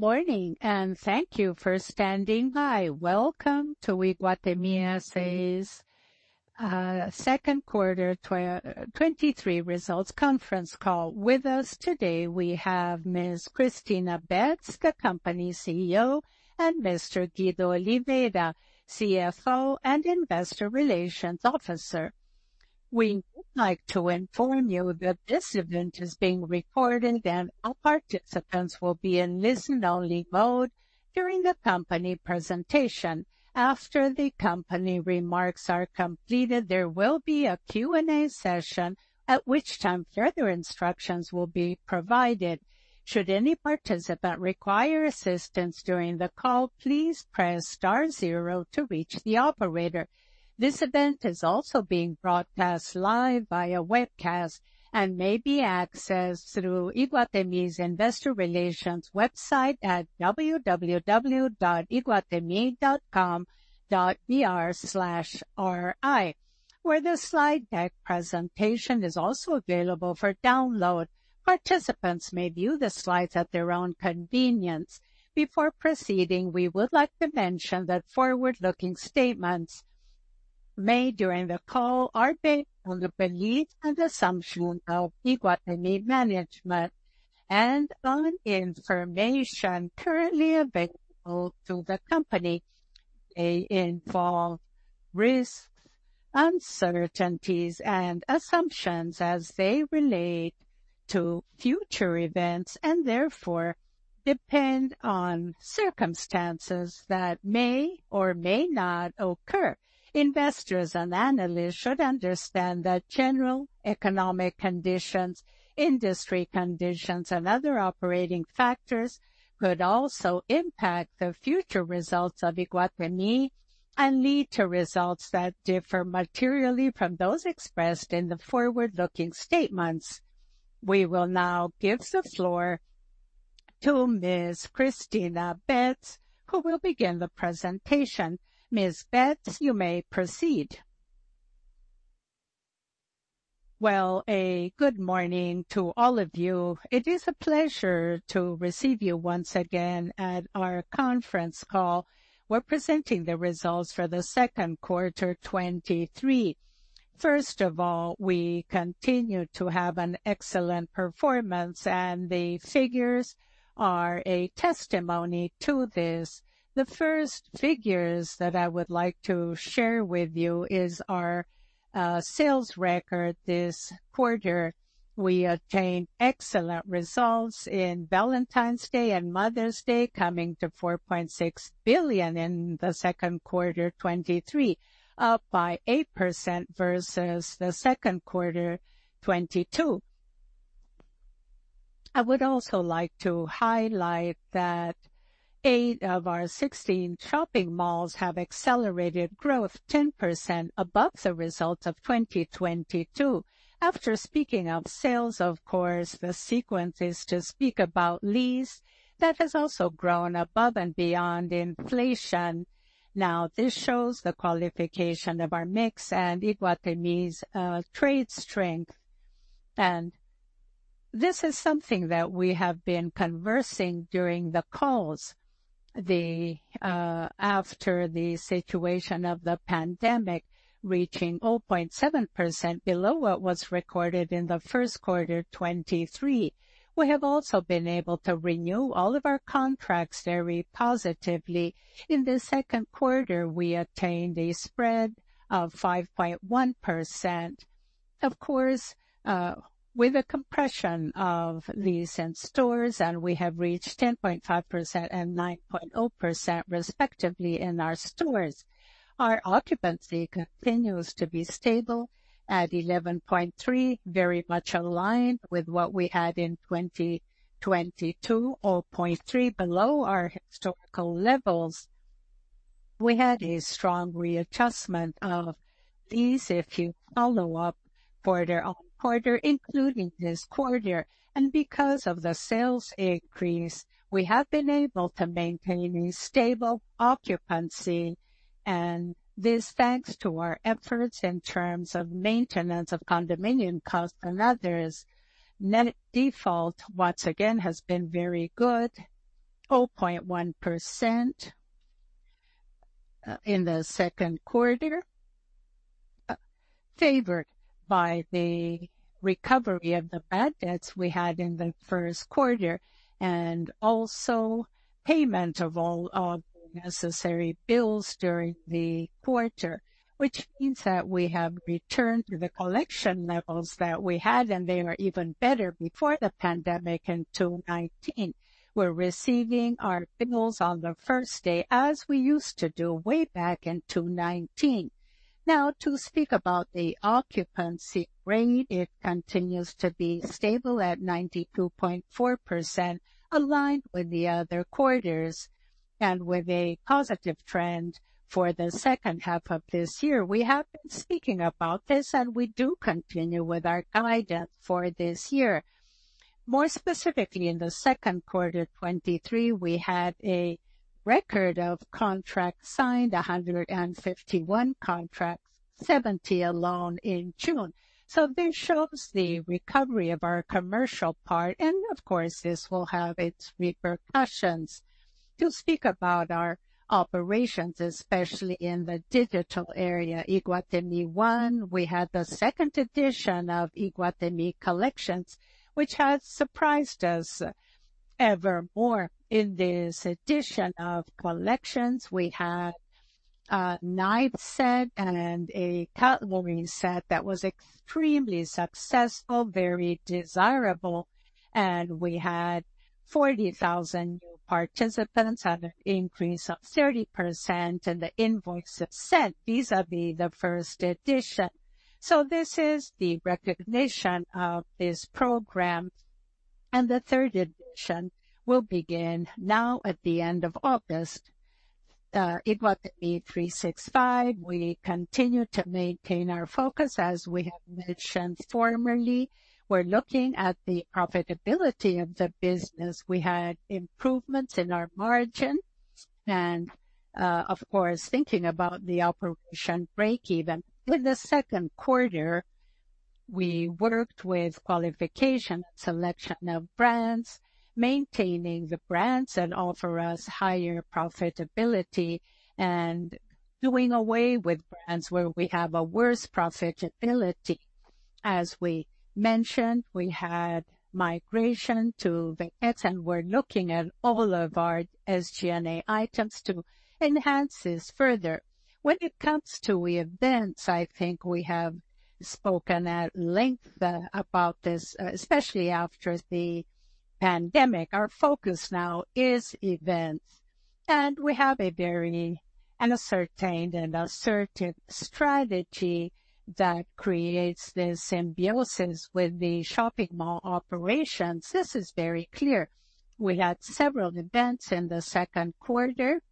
Good morning, and thank you for standing by. Welcome to Iguatemi S.A.'s second quarter 2023 results conference call. With us today, we have Ms. Cristina Betts, the company's CEO, and Mr. Guido Oliveira, CFO and Investor Relations Officer. We would like to inform you that this event is being recorded, all participants will be in listen-only mode during the company presentation. After the company remarks are completed, there will be a Q&A session, at which time further instructions will be provided. Should any participant require assistance during the call, please press star 0 to reach the operator. This event is also being broadcast live via webcast and may be accessed through Iguatemi's Investor Relations website at www.iguatemi.com.br/ri, where the slide deck presentation is also available for download. Participants may view the slides at their own convenience. Before proceeding, we would like to mention that forward-looking statements made during the call are based on the belief and assumption of Iguatemi management and on information currently available to the company. They involve risks, uncertainties and assumptions as they relate to future events, and therefore depend on circumstances that may or may not occur. Investors and analysts should understand that general economic conditions, industry conditions, and other operating factors could also impact the future results of Iguatemi and lead to results that differ materially from those expressed in the forward-looking statements. We will now give the floor to Ms. Cristina Betts, who will begin the presentation. Ms. Betts, you may proceed. Well, a good morning to all of you. It is a pleasure to receive you once again at our conference call. We're presenting the results for the second quarter, 2023. First of all, we continue to have an excellent performance, and the figures are a testimony to this. The first figures that I would like to share with you is our sales record this quarter. We obtained excellent results in Valentine's Day and Mother's Day, coming to 4.6 billion in the second quarter 2023, up by 8% versus the second quarter 2022. I would also like to highlight that eight of our 16 shopping malls have accelerated growth 10% above the results of 2022. After speaking of sales, of course, the sequence is to speak about lease. That has also grown above and beyond inflation. Now, this shows the qualification of our mix and Iguatemi's trade strength. And this is something that we have been conversing during the calls. The after the situation of the pandemic, reaching 0.7% below what was recorded in the 1st quarter, 2023. We have also been able to renew all of our contracts very positively. In the 2nd quarter, we obtained a spread of 5.1%. Of course, with a compression of lease in stores, and we have reached 10.5% and 9.0%, respectively, in our stores. Our occupancy continues to be stable at 11.3, very much aligned with what we had in 2022, 0.3 below our historical levels. We had a strong readjustment of lease, if you follow up quarter-on-quarter, including this quarter. Because of the sales increase, we have been able to maintain a stable occupancy, and this, thanks to our efforts in terms of maintenance, of condominium costs and others. Net default, once again, has been very good, 0.1% in the second quarter, favored by the recovery of the bad debts we had in the first quarter, and also payment of all necessary bills during the quarter, which means that we have returned to the collection levels that we had, and they are even better before the pandemic in 2019. We're receiving our bills on the first day, as we used to do way back in 2019. Now, to speak about the occupancy rate, it continues to be stable at 92.4%, aligned with the other quarters and with a positive trend for the second half of this year. We have been speaking about this, we do continue with our guidance for this year. More specifically, in the second quarter 2023, we had a record of contract signed, 151 contracts, 70 alone in June. This shows the recovery of our commercial part, and of course, this will have its repercussions. To speak about our operations, especially in the digital area, Iguatemi One, we had the second edition of Iguatemi Collections, which has surprised us evermore. In this edition of Collections, we had a knife set and a cutlery set that was extremely successful, very desirable, and we had 40,000 new participants, and an increase of 30% in the invoice sent, vis-à-vis the first edition. This is the recognition of this program, and the third edition will begin now at the end of August. Iguatemi 365, we continue to maintain our focus. As we have mentioned formerly, we're looking at the profitability of the business. We had improvements in our margin and, of course, thinking about the operation breakeven. In the second quarter, we worked with qualification and selection of brands, maintaining the brands that offer us higher profitability and doing away with brands where we have a worse profitability. As we mentioned, we had migration to the X, and we're looking at all of our SG&A items to enhance this further. When it comes to events, I think we have spoken at length about this, especially after the pandemic. Our focus now is events, and we have a very ascertained and assertive strategy that creates the symbiosis with the shopping mall operations. This is very clear. We had several events in the second quarter.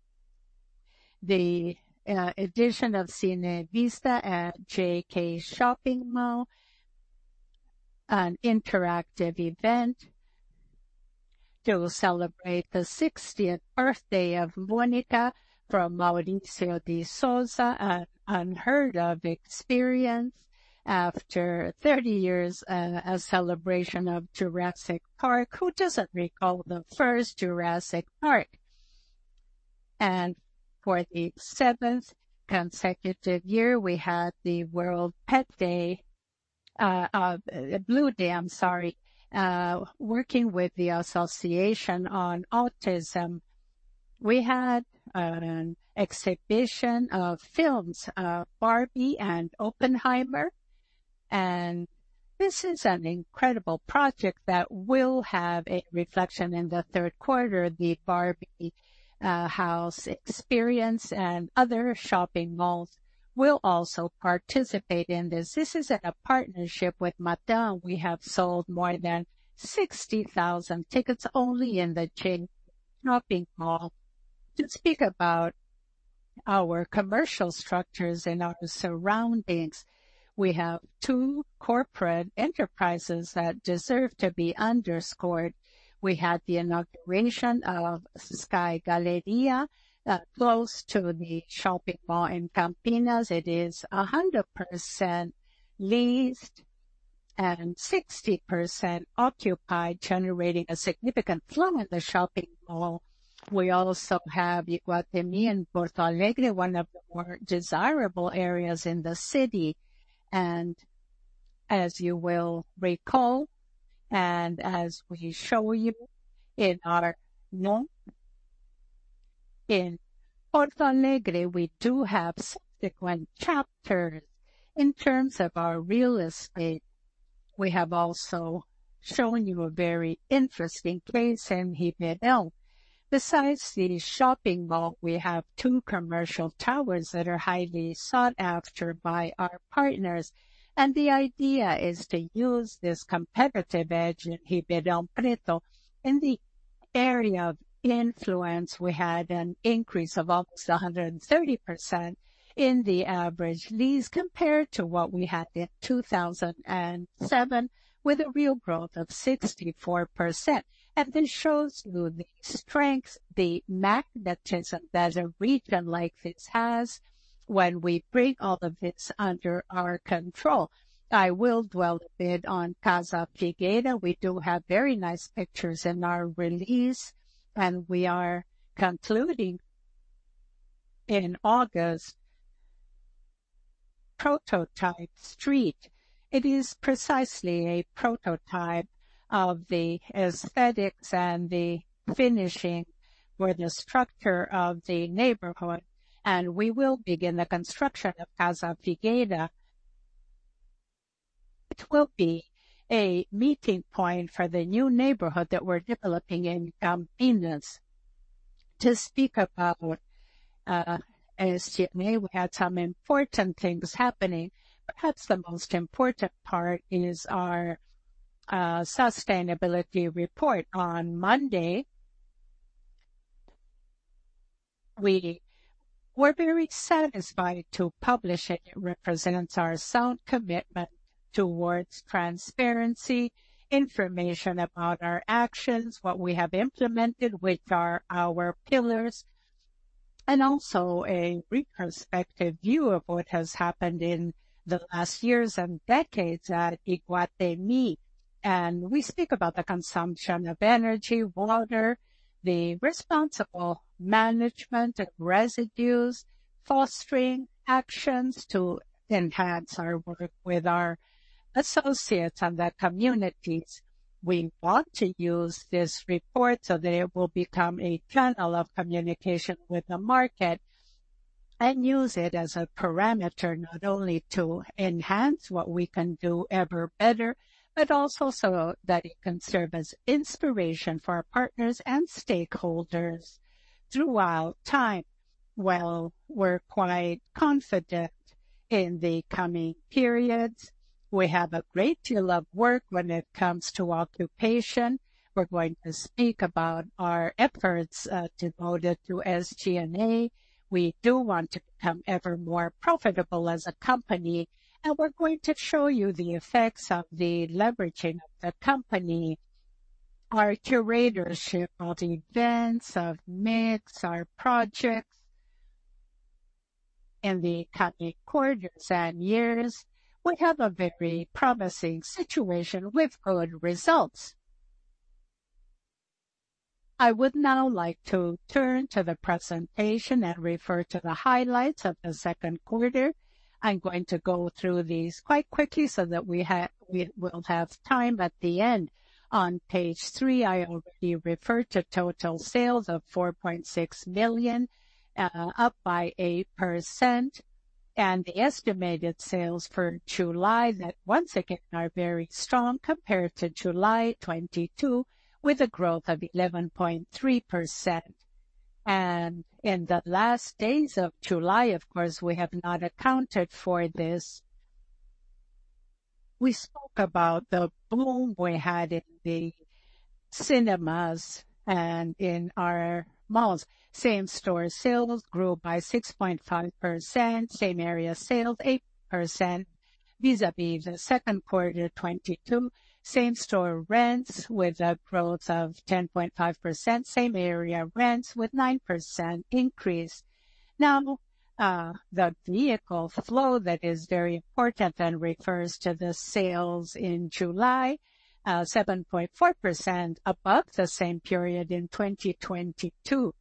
The edition of Cine Vista at JK Shopping Mall, an interactive event to celebrate the 60th birthday of Monica from Mauricio de Sousa, an unheard of experience after 30 years, a celebration of Jurassic Park. Who doesn't recall the first Jurassic Park? For the seventh consecutive year, we had the World Pet Day, Blue Day, I'm sorry, working with the Association on Autism. We had an exhibition of films, Barbie and Oppenheimer, and this is an incredible project that will have a reflection in the third quarter, the Barbie Dreamhouse Experience and other shopping malls will also participate in this. This is at a partnership with Mattel. We have sold more than 60,000 tickets only in the JK Shopping Mall. To speak about our commercial structures and our surroundings, we have two corporate enterprises that deserve to be underscored. We had the inauguration of Sky Galleria, close to the shopping mall in Campinas. It is 100% leased and 60% occupied, generating a significant flow in the shopping mall. We also have Iguatemi in Porto Alegre, one of the more desirable areas in the city. As you will recall, and as we show you in our norm in Porto Alegre, we do have subsequent chapters. In terms of our real estate, we have also shown you a very interesting place in Ribeirão. Besides the shopping mall, we have two commercial towers that are highly sought after by our partners, and the idea is to use this competitive edge in Ribeirão Preto. In the area of influence, we had an increase of almost 130% in the average lease compared to what we had in 2007, with a real growth of 64%. This shows you the strength, the magnetism that a region like this has when we bring all of this under our control. I will dwell a bit on Casa Figueira. We do have very nice pictures in our release, and we are concluding in August Prototype Street. It is precisely a prototype of the aesthetics and the finishing for the structure of the neighborhood, and we will begin the construction of Casa Figueira. It will be a meeting point for the new neighborhood that we're developing in Campinas. To speak about SG&A, we had some important things happening. Perhaps the most important part is our, sustainability report. On Monday-... We, we're very satisfied to publish it. It represents our sound commitment towards transparency, information about our actions, what we have implemented, which are our pillars, also a retrospective view of what has happened in the last years and decades at Iguatemi. We speak about the consumption of energy, water, the responsible management of residues, fostering actions to enhance our work with our associates and the communities. We want to use this report so that it will become a channel of communication with the market, and use it as a parameter, not only to enhance what we can do ever better, but also so that it can serve as inspiration for our partners and stakeholders throughout time. Well, we're quite confident in the coming periods. We have a great deal of work when it comes to occupation. We're going to speak about our efforts devoted to SG&A. We do want to become ever more profitable as a company, and we're going to show you the effects of the leveraging of the company. Our curatorship of events, of mix, our projects in the coming quarters and years, we have a very promising situation with good results. I would now like to turn to the presentation and refer to the highlights of the second quarter. I'm going to go through these quite quickly so that we will have time at the end. On page 3, I already referred to total sales of 4.6 million, up by 8%, and the estimated sales for July that once again, are very strong compared to July 2022, with a growth of 11.3%. In the last days of July, of course, we have not accounted for this. We spoke about the boom we had in the cinemas and in our malls. Same-store sales grew by 6.5%, same-area sales, 8% vis-à-vis the second quarter 2022. Same-store rents with a growth of 10.5%, same area rents with 9% increase. The vehicle flow that is very important and refers to the sales in July, 7.4% above the same period in 2022.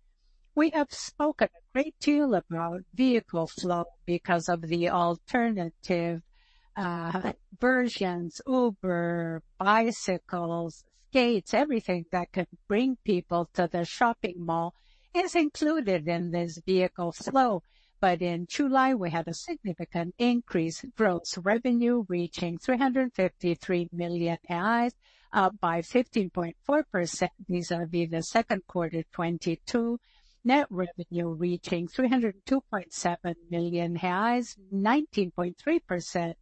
We have spoken a great deal about vehicle flow because of the alternative versions, Uber, bicycles, skates, everything that can bring people to the shopping mall is included in this vehicle flow. In July, we had a significant increase. Gross revenue reaching 353 million reais, up by 15.4% vis-à-vis the second quarter 2022. Net revenue reaching 302.7 million reais, 19.3%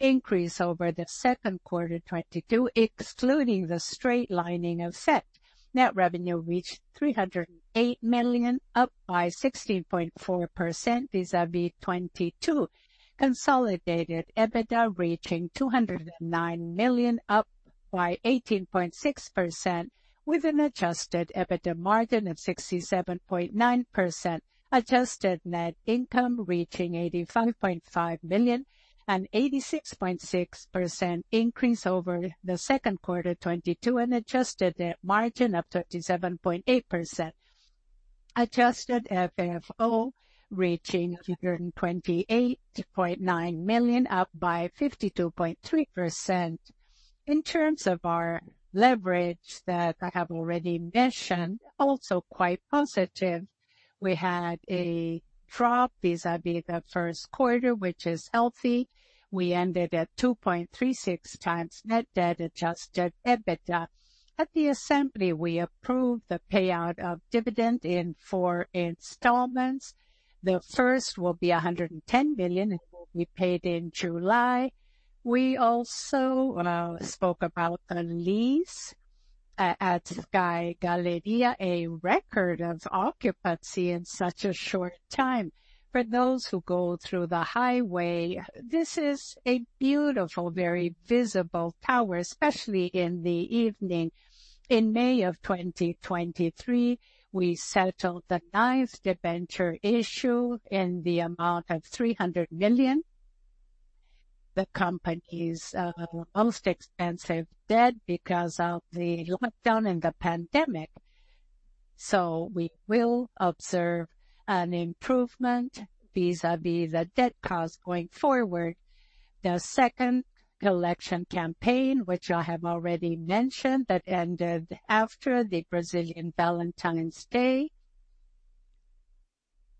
increase over the 2Q22, excluding the straight-lining of rent. Net revenue reached 308 million, up by 16.4% vis-à-vis 2022. Consolidated EBITDA reaching 209 million, up by 18.6%, with an adjusted EBITDA margin of 67.9%. Adjusted net income reaching 85.5 million, an 86.6% increase over the 2Q22, an adjusted net margin of 37.8%. Adjusted FFO reaching 228.9 million, up by 52.3%. In terms of our leverage that I have already mentioned, also quite positive. We had a drop vis-à-vis the first quarter, which is healthy. We ended at 2.36x net debt adjusted EBITDA. At the assembly, we approved the payout of dividend in four installments. The first will be 110 million. It will be paid in July. We also spoke about a lease at Sky Galeria, a record of occupancy in such a short time. For those who go through the highway, this is a beautiful, very visible tower, especially in the evening. In May of 2023, we settled the ninth debenture issue in the amount of 300 million. The company's most expensive debt because of the lockdown and the pandemic. We will observe an improvement vis-à-vis the debt cost going forward. The second collection campaign, which I have already mentioned, that ended after the Brazilian Valentine's Day.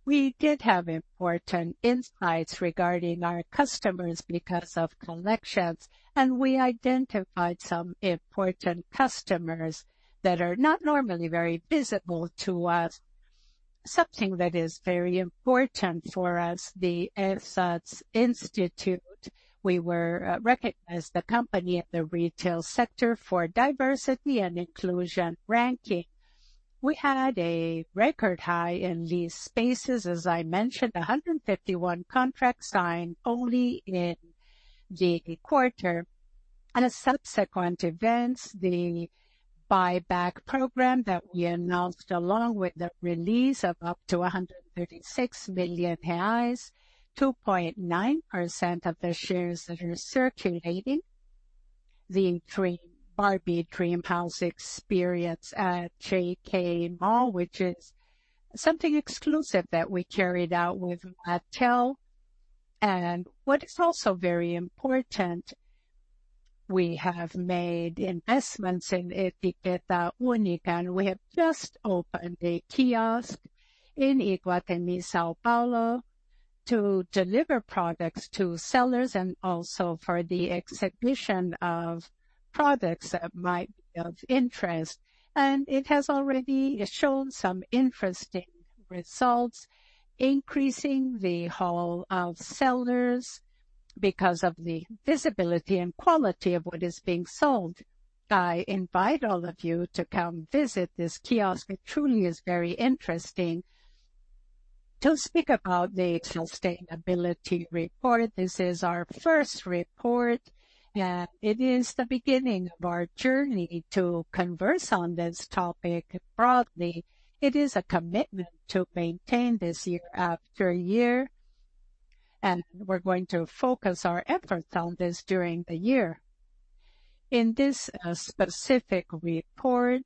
We did have important insights regarding our customers because of collections. We identified some important customers that are not normally very visible to us. Something that is very important for us, the EXPATS Institute. We were recognized the company in the retail sector for diversity and inclusion ranking. We had a record high in leased spaces, as I mentioned, 151 contracts signed only in the quarter. Subsequent events, the buyback program that we announced, along with the release of up to 136 million reais, 2.9% of the shares that are circulating. The Barbie Dreamhouse Experience at JK Iguatemi, which is something exclusive that we carried out with Mattel. What is also very important, we have made investments in Etiqueta Única, and we have just opened a kiosk in Iguatemi, São Paulo, to deliver products to sellers and also for the exhibition of products that might be of interest. It has already shown some interesting results, increasing the haul of sellers because of the visibility and quality of what is being sold. I invite all of you to come visit this kiosk. It truly is very interesting. To speak about the sustainability report, this is our first report, and it is the beginning of our journey to converse on this topic broadly. It is a commitment to maintain this year after year, and we're going to focus our efforts on this during the year. In this specific report,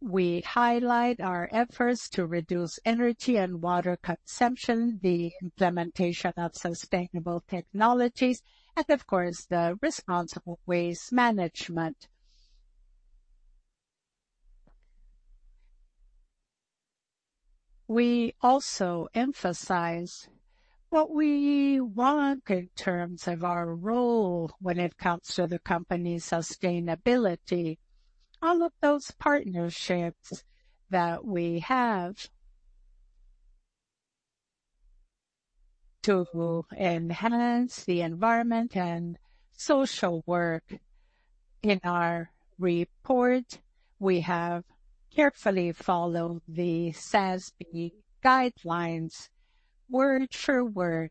we highlight our efforts to reduce energy and water consumption, the implementation of sustainable technologies, and of course, the responsible waste management. We also emphasize what we want in terms of our role when it comes to the company's sustainability. All of those partnerships that we have to enhance the environment and social work. In our report, we have carefully followed the SASB guidelines, word for word,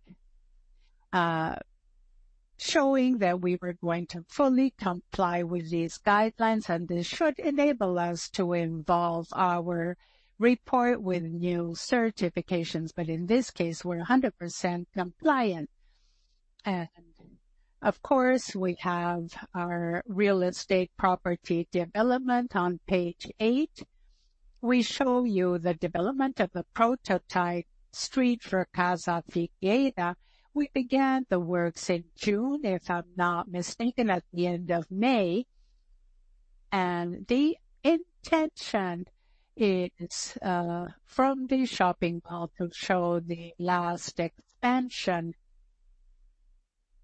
showing that we were going to fully comply with these guidelines. This should enable us to involve our report with new certifications. In this case, we're 100% compliant. Of course, we have our real estate property development on page 8. We show you the development of a prototype street for Casa Figueira. We began the works in June, if I'm not mistaken, at the end of May, and the intention is from the shopping mall to show the last expansion.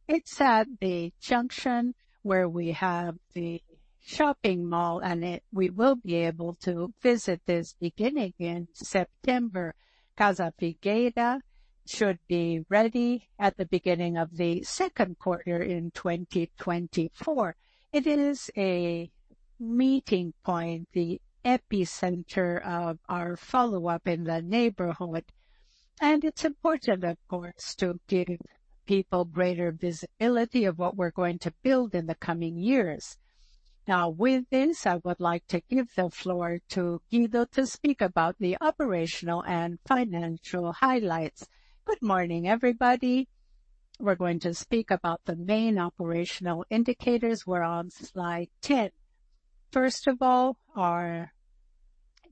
It's at the junction where we have the shopping mall, and we will be able to visit this beginning in September. Casa Figueira should be ready at the beginning of 2Q 2024. It is a meeting point, the epicenter of our follow-up in the neighborhood, and it's important, of course, to give people greater visibility of what we're going to build in the coming years. With this, I would like to give the floor to Guido to speak about the operational and financial highlights. Good morning, everybody. We're going to speak about the main operational indicators. We're on slide 10. First of all, our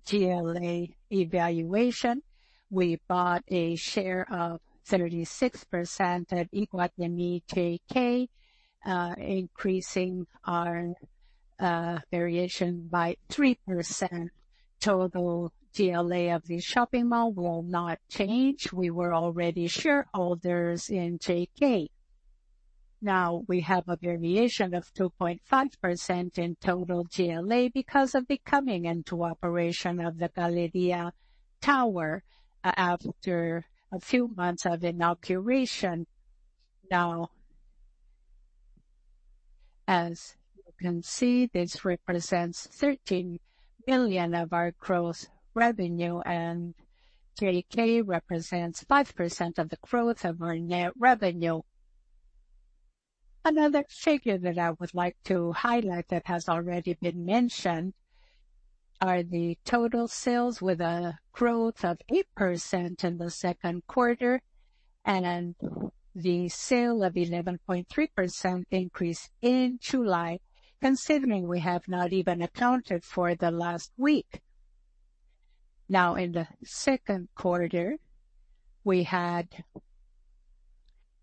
GLA evaluation. We bought a share of 36% at Iguatemi JK, increasing our variation by 3%. Total GLA of the shopping mall will not change. We were already shareholders in JK. We have a variation of 2.5% in total GLA because of the coming into operation of the Galeria Tower after a few months of inauguration. As you can see, this represents 13 billion of our gross revenue, and JK represents 5% of the growth of our net revenue. Another figure that I would like to highlight that has already been mentioned are the total sales, with a growth of 8% in the second quarter, and the sale of 11.3% increase in July, considering we have not even accounted for the last week. In the second quarter, we had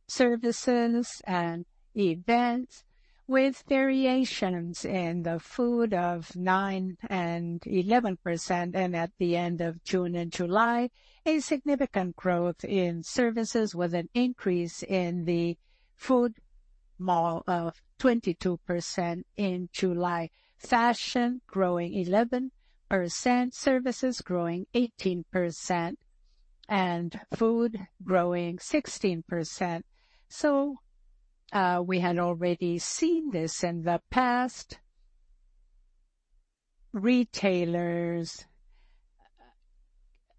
services and events with variations in the food of 9% and 11%, and at the end of June and July, a significant growth in services with an increase in the food mall of 22% in July. Fashion growing 11%, services growing 18%, and food growing 16%. We had already seen this in the past. Retailers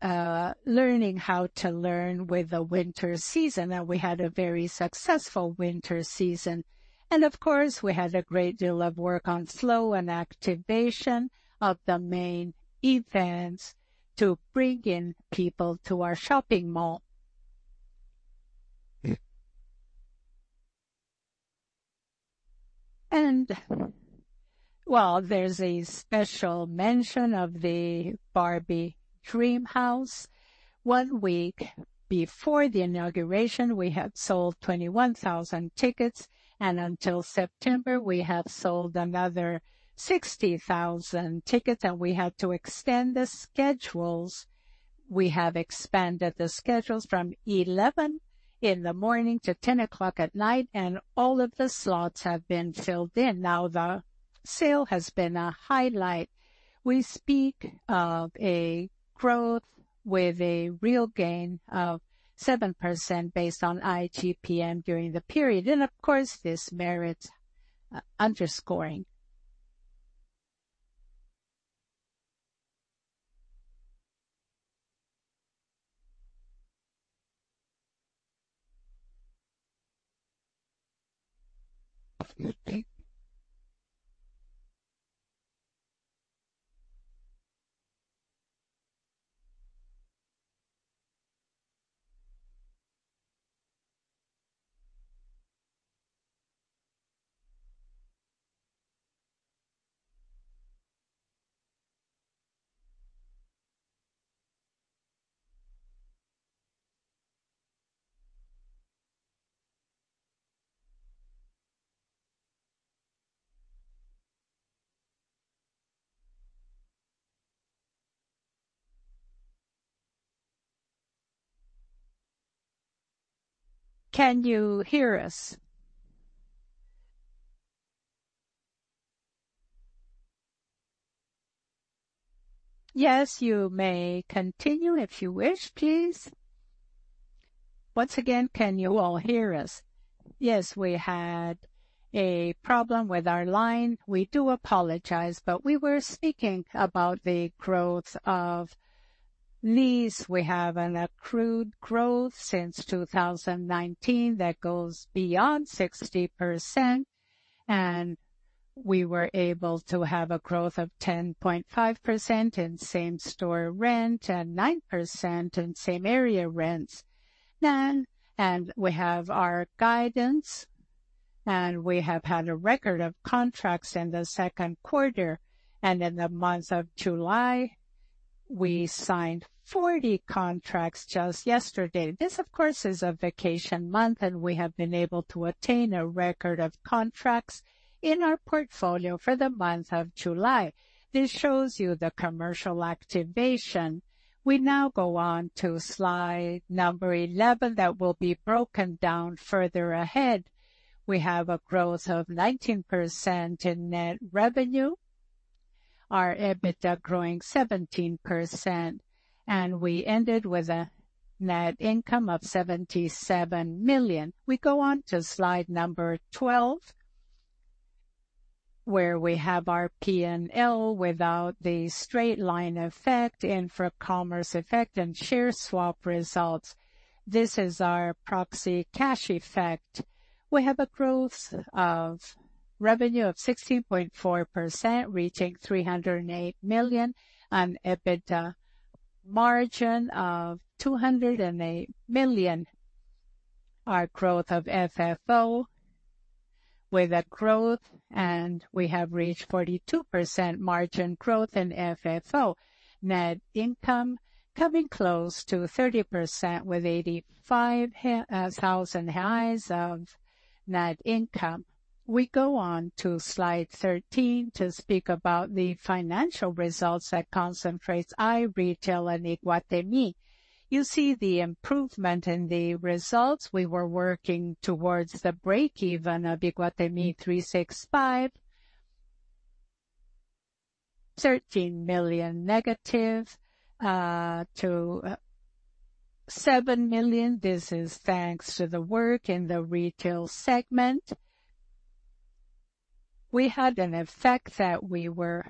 learning how to learn with the winter season, we had a very successful winter season. Of course, we had a great deal of work on slow and activation of the main events to bring in people to our shopping mall. Well, there's a special mention of the Barbie Dream House. One week before the inauguration, we had sold 21,000 tickets, and until September, we have sold another 60,000 tickets, and we had to extend the schedules. We have expanded the schedules from 11:00 A.M. to 10:00 P.M., and all of the slots have been filled in. Now, the sale has been a highlight. We speak of a growth with a real gain of 7% based on IGPM during the period, of course, this merits underscoring. Can you hear us? Yes, you may continue if you wish, please. Once again, can you all hear us? Yes, we had a problem with our line. We do apologize, we were speaking about the growth of lease. We have an accrued growth since 2019 that goes beyond 60%, we were able to have a growth of 10.5% in same-store rent and 9% in same area rents. We have our guidance, we have had a record of contracts in the second quarter. In the month of July, we signed 40 contracts just yesterday. This, of course, is a vacation month, we have been able to attain a record of contracts in our portfolio for the month of July. This shows you the commercial activation. We now go on to slide number 11. That will be broken down further ahead. We have a growth of 19% in net revenue, our EBITDA growing 17%, and we ended with a net income of 77 million. We go on to slide number 12, where we have our P&L without the straight-line effect and for commerce effect and share swap results. This is our proxy cash effect. We have a growth of revenue of 16.4%, reaching 308 million, an EBITDA margin of 208 million. Our growth of FFO with a growth, and we have reached 42% margin growth in FFO. Net income coming close to 30% with 85,000 of net income. We go on to slide 13 to speak about the financial results that concentrates iRetail and Iguatemi. You see the improvement in the results. We were working towards the breakeven of Iguatemi 365. 13 million negative to 7 million. This is thanks to the work in the retail segment. We had an effect that we were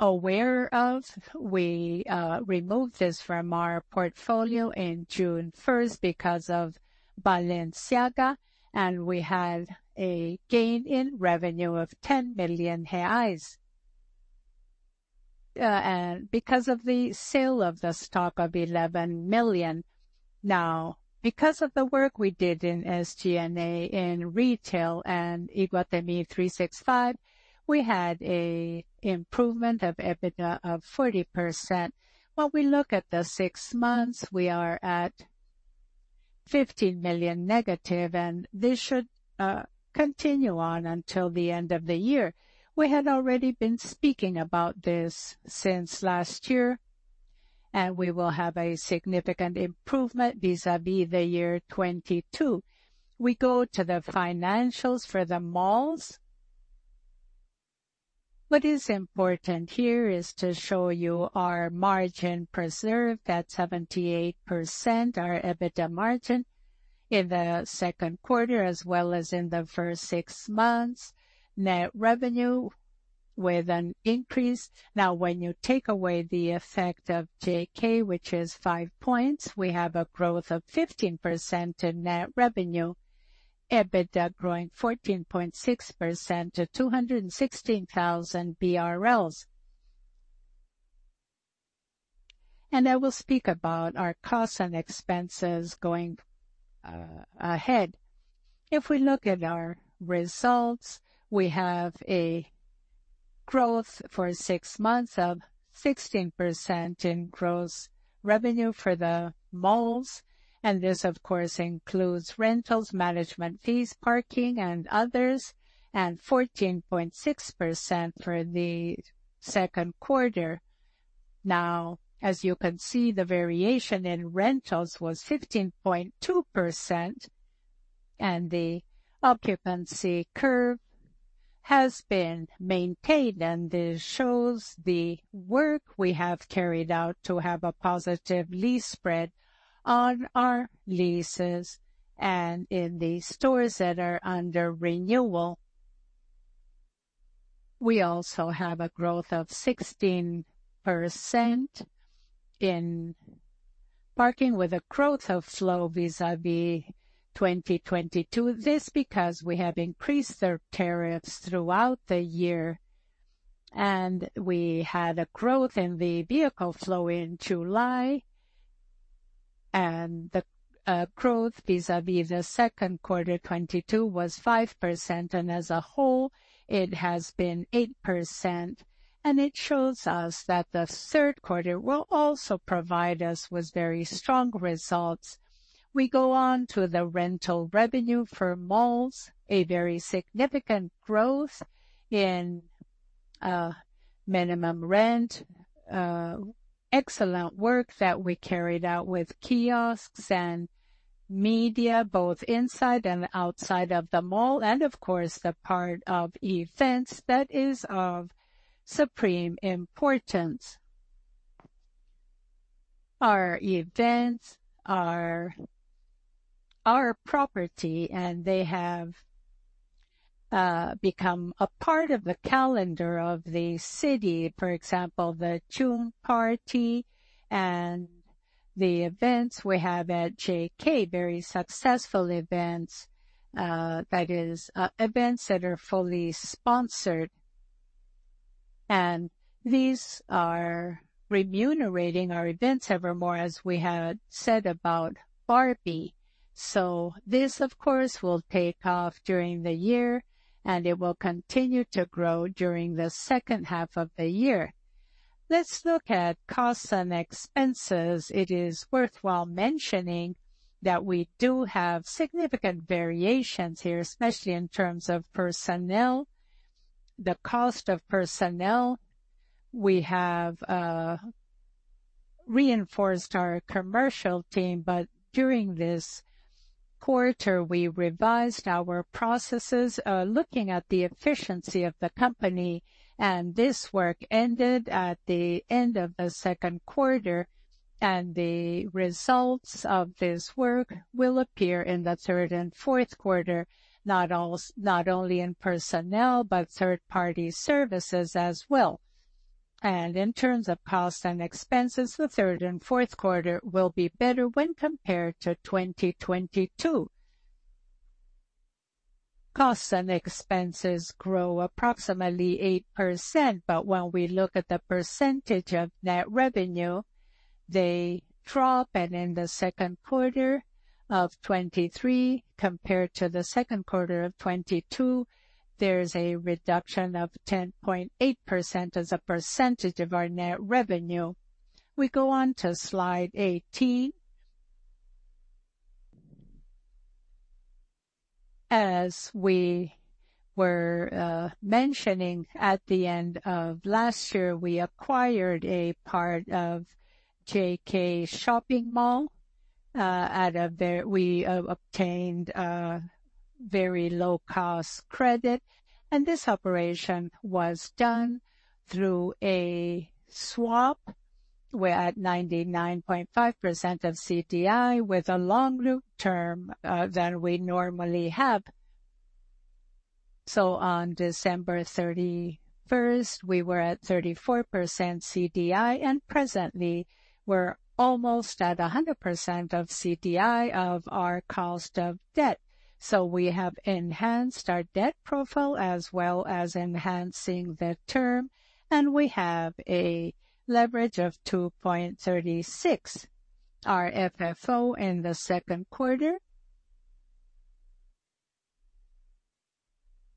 aware of. We removed this from our portfolio in June 1st because of Balenciaga, and we had a gain in revenue of 10 million reais, and because of the sale of the stock of 11 million. Because of the work we did in SG&A in retail and Iguatemi 365, we had a improvement of EBITDA of 40%. When we look at the six months, we are at 15 million negative, and this should continue on until the end of the year. We had already been speaking about this since last year, we will have a significant improvement vis-a-vis the year 2022. We go to the financials for the malls. What is important here is to show you our margin preserved at 78%, our EBITDA margin in the second quarter, as well as in the first 6 months. Net revenue with an increase. Now, when you take away the effect of JK, which is 5 points, we have a growth of 15% in net revenue. EBITDA growing 14.6% to 216,000 BRL. I will speak about our costs and expenses going ahead. If we look at our results, we have a growth for 6 months of 16% in gross revenue for the malls, and this, of course, includes rentals, management fees, parking, and others, and 14.6% for the second quarter. Now, as you can see, the variation in rentals was 15.2%, and the occupancy curve has been maintained, and this shows the work we have carried out to have a positive lease spread on our leases and in the stores that are under renewal. We also have a growth of 16% in parking, with a growth of flow vis-à-vis 2022. This because we have increased their tariffs throughout the year, and we had a growth in the vehicle flow in July, and the growth vis-à-vis the second quarter 2022 was 5%, and as a whole, it has been 8%. It shows us that the third quarter will also provide us with very strong results. We go on to the rental revenue for malls, a very significant growth in minimum rent, excellent work that we carried out with kiosks and media, both inside and outside of the mall, and of course, the part of events that is of supreme importance. Our events are our property, and they have become a part of the calendar of the city, for example, the Tune Party and the events we have at JK, very successful events, that is, events that are fully sponsored. These are remunerating our events evermore, as we had said about Barbie. This, of course, will take off during the year, and it will continue to grow during the second half of the year. Let's look at costs and expenses. It is worthwhile mentioning that we do have significant variations here, especially in terms of personnel, the cost of personnel. We have reinforced our commercial team, but during this quarter, we revised our processes, looking at the efficiency of the company, and this work ended at the end of the second quarter. The results of this work will appear in the third and fourth quarter, not only in personnel, but third-party services as well. In terms of costs and expenses, the third and fourth quarter will be better when compared to 2022. Costs and expenses grow approximately 8%, but when we look at the percentage of net revenue, they drop, and in the second quarter of 2023, compared to the second quarter of 2022, there is a reduction of 10.8% as a percentage of our net revenue. We go on to slide 18. As we were mentioning at the end of last year, we acquired a part of JK Shopping Mall, at a we obtained a very low-cost credit, and this operation was done through a swap. We're at 99.5% of CDI, with a long loop term than we normally have. On December 31st, we were at 34% CDI, and presently, we're almost at 100% of CDI of our cost of debt. We have enhanced our debt profile, as well as enhancing the term, and we have a leverage of 2.36, our FFO in the second quarter.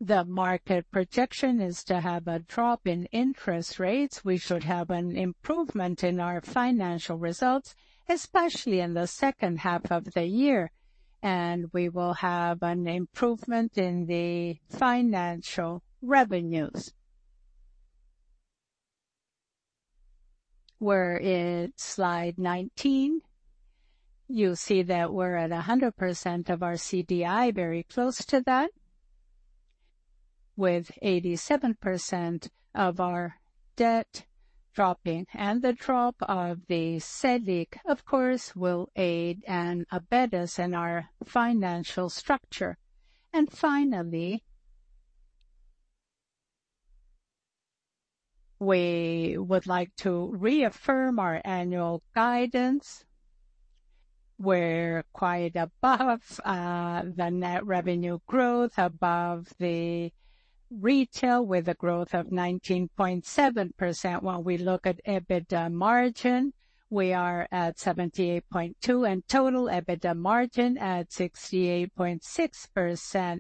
The market projection is to have a drop in interest rates. We should have an improvement in our financial results, especially in the second half of the year, we will have an improvement in the financial revenues. We're in slide 19. You'll see that we're at 100% of our CDI, very close to that, with 87% of our debt dropping. The drop of the Selic, of course, will aid and abet us in our financial structure. Finally, we would like to reaffirm our annual guidance. We're quite above, the net revenue growth, above the retail, with a growth of 19.7%. When we look at EBITDA margin, we are at 78.2, and total EBITDA margin at 68.6%.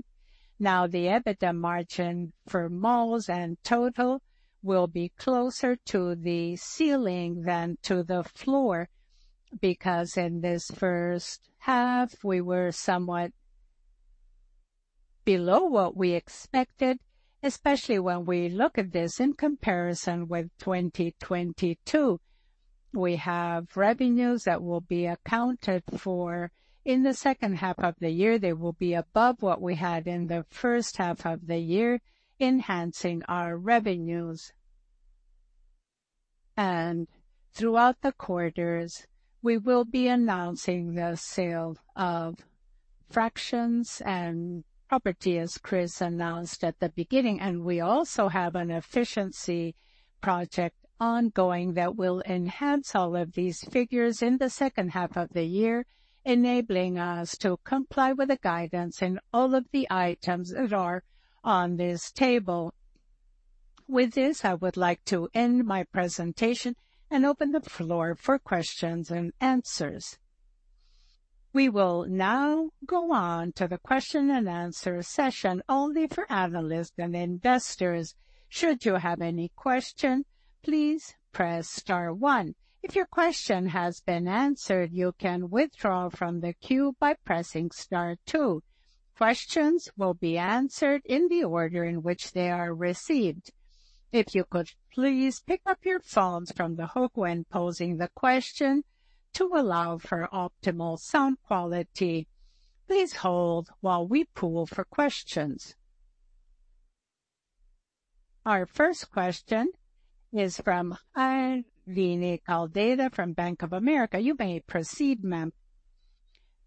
The EBITDA margin for malls and total will be closer to the ceiling than to the floor, because in this first half, we were somewhat below what we expected, especially when we look at this in comparison with 2022. We have revenues that will be accounted for in the second half of the year. They will be above what we had in the first half of the year, enhancing our revenues. Throughout the quarters, we will be announcing the sale of fractions and property, as Chris announced at the beginning. We also have an efficiency project ongoing that will enhance all of these figures in the second half of the year, enabling us to comply with the guidance in all of the items that are on this table. With this, I would like to end my presentation and open the floor for questions and answers. We will now go on to the question-and-answer session only for analysts and investors. Should you have any question, please press star 1. If your question has been answered, you can withdraw from the queue by pressing star 2. Questions will be answered in the order in which they are received. If you could please pick up your phones from the hook when posing the question to allow for optimal sound quality. Please hold while we pool for questions. Our first question is from Aline Caldeira, from Bank of America. You may proceed, ma'am.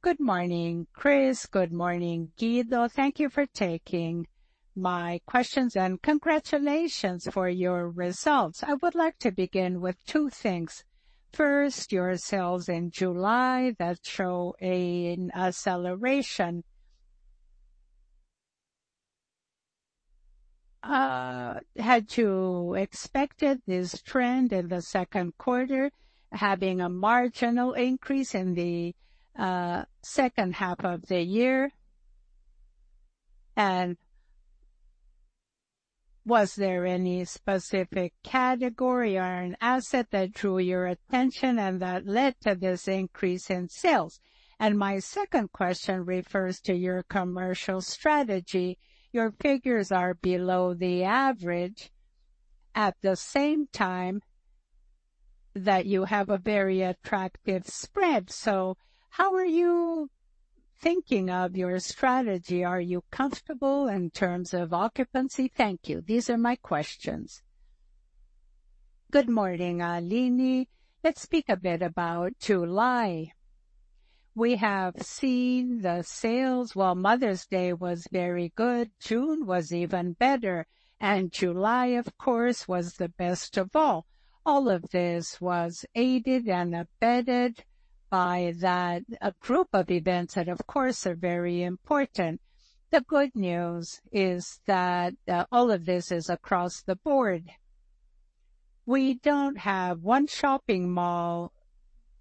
Good morning, Chris. Good morning, Guido. Thank you for taking my questions, and congratulations for your results. I would like to begin with 2 things. First, your sales in July that show an acceleration. Had you expected this trend in the second quarter, having a marginal increase in the second half of the year? Was there any specific category or an asset that drew your attention and that led to this increase in sales? My second question refers to your commercial strategy. Your figures are below the average, at the same time that you have a very attractive spread. How are you thinking of your strategy? Are you comfortable in terms of occupancy? Thank you. These are my questions. Good morning, Aline. Let's speak a bit about July. We have seen the sales. While Mother's Day was very good, June was even better, and July, of course, was the best of all. All of this was aided and abetted by that, a group of events that, of course, are very important. The good news is that all of this is across the board. We don't have one shopping mall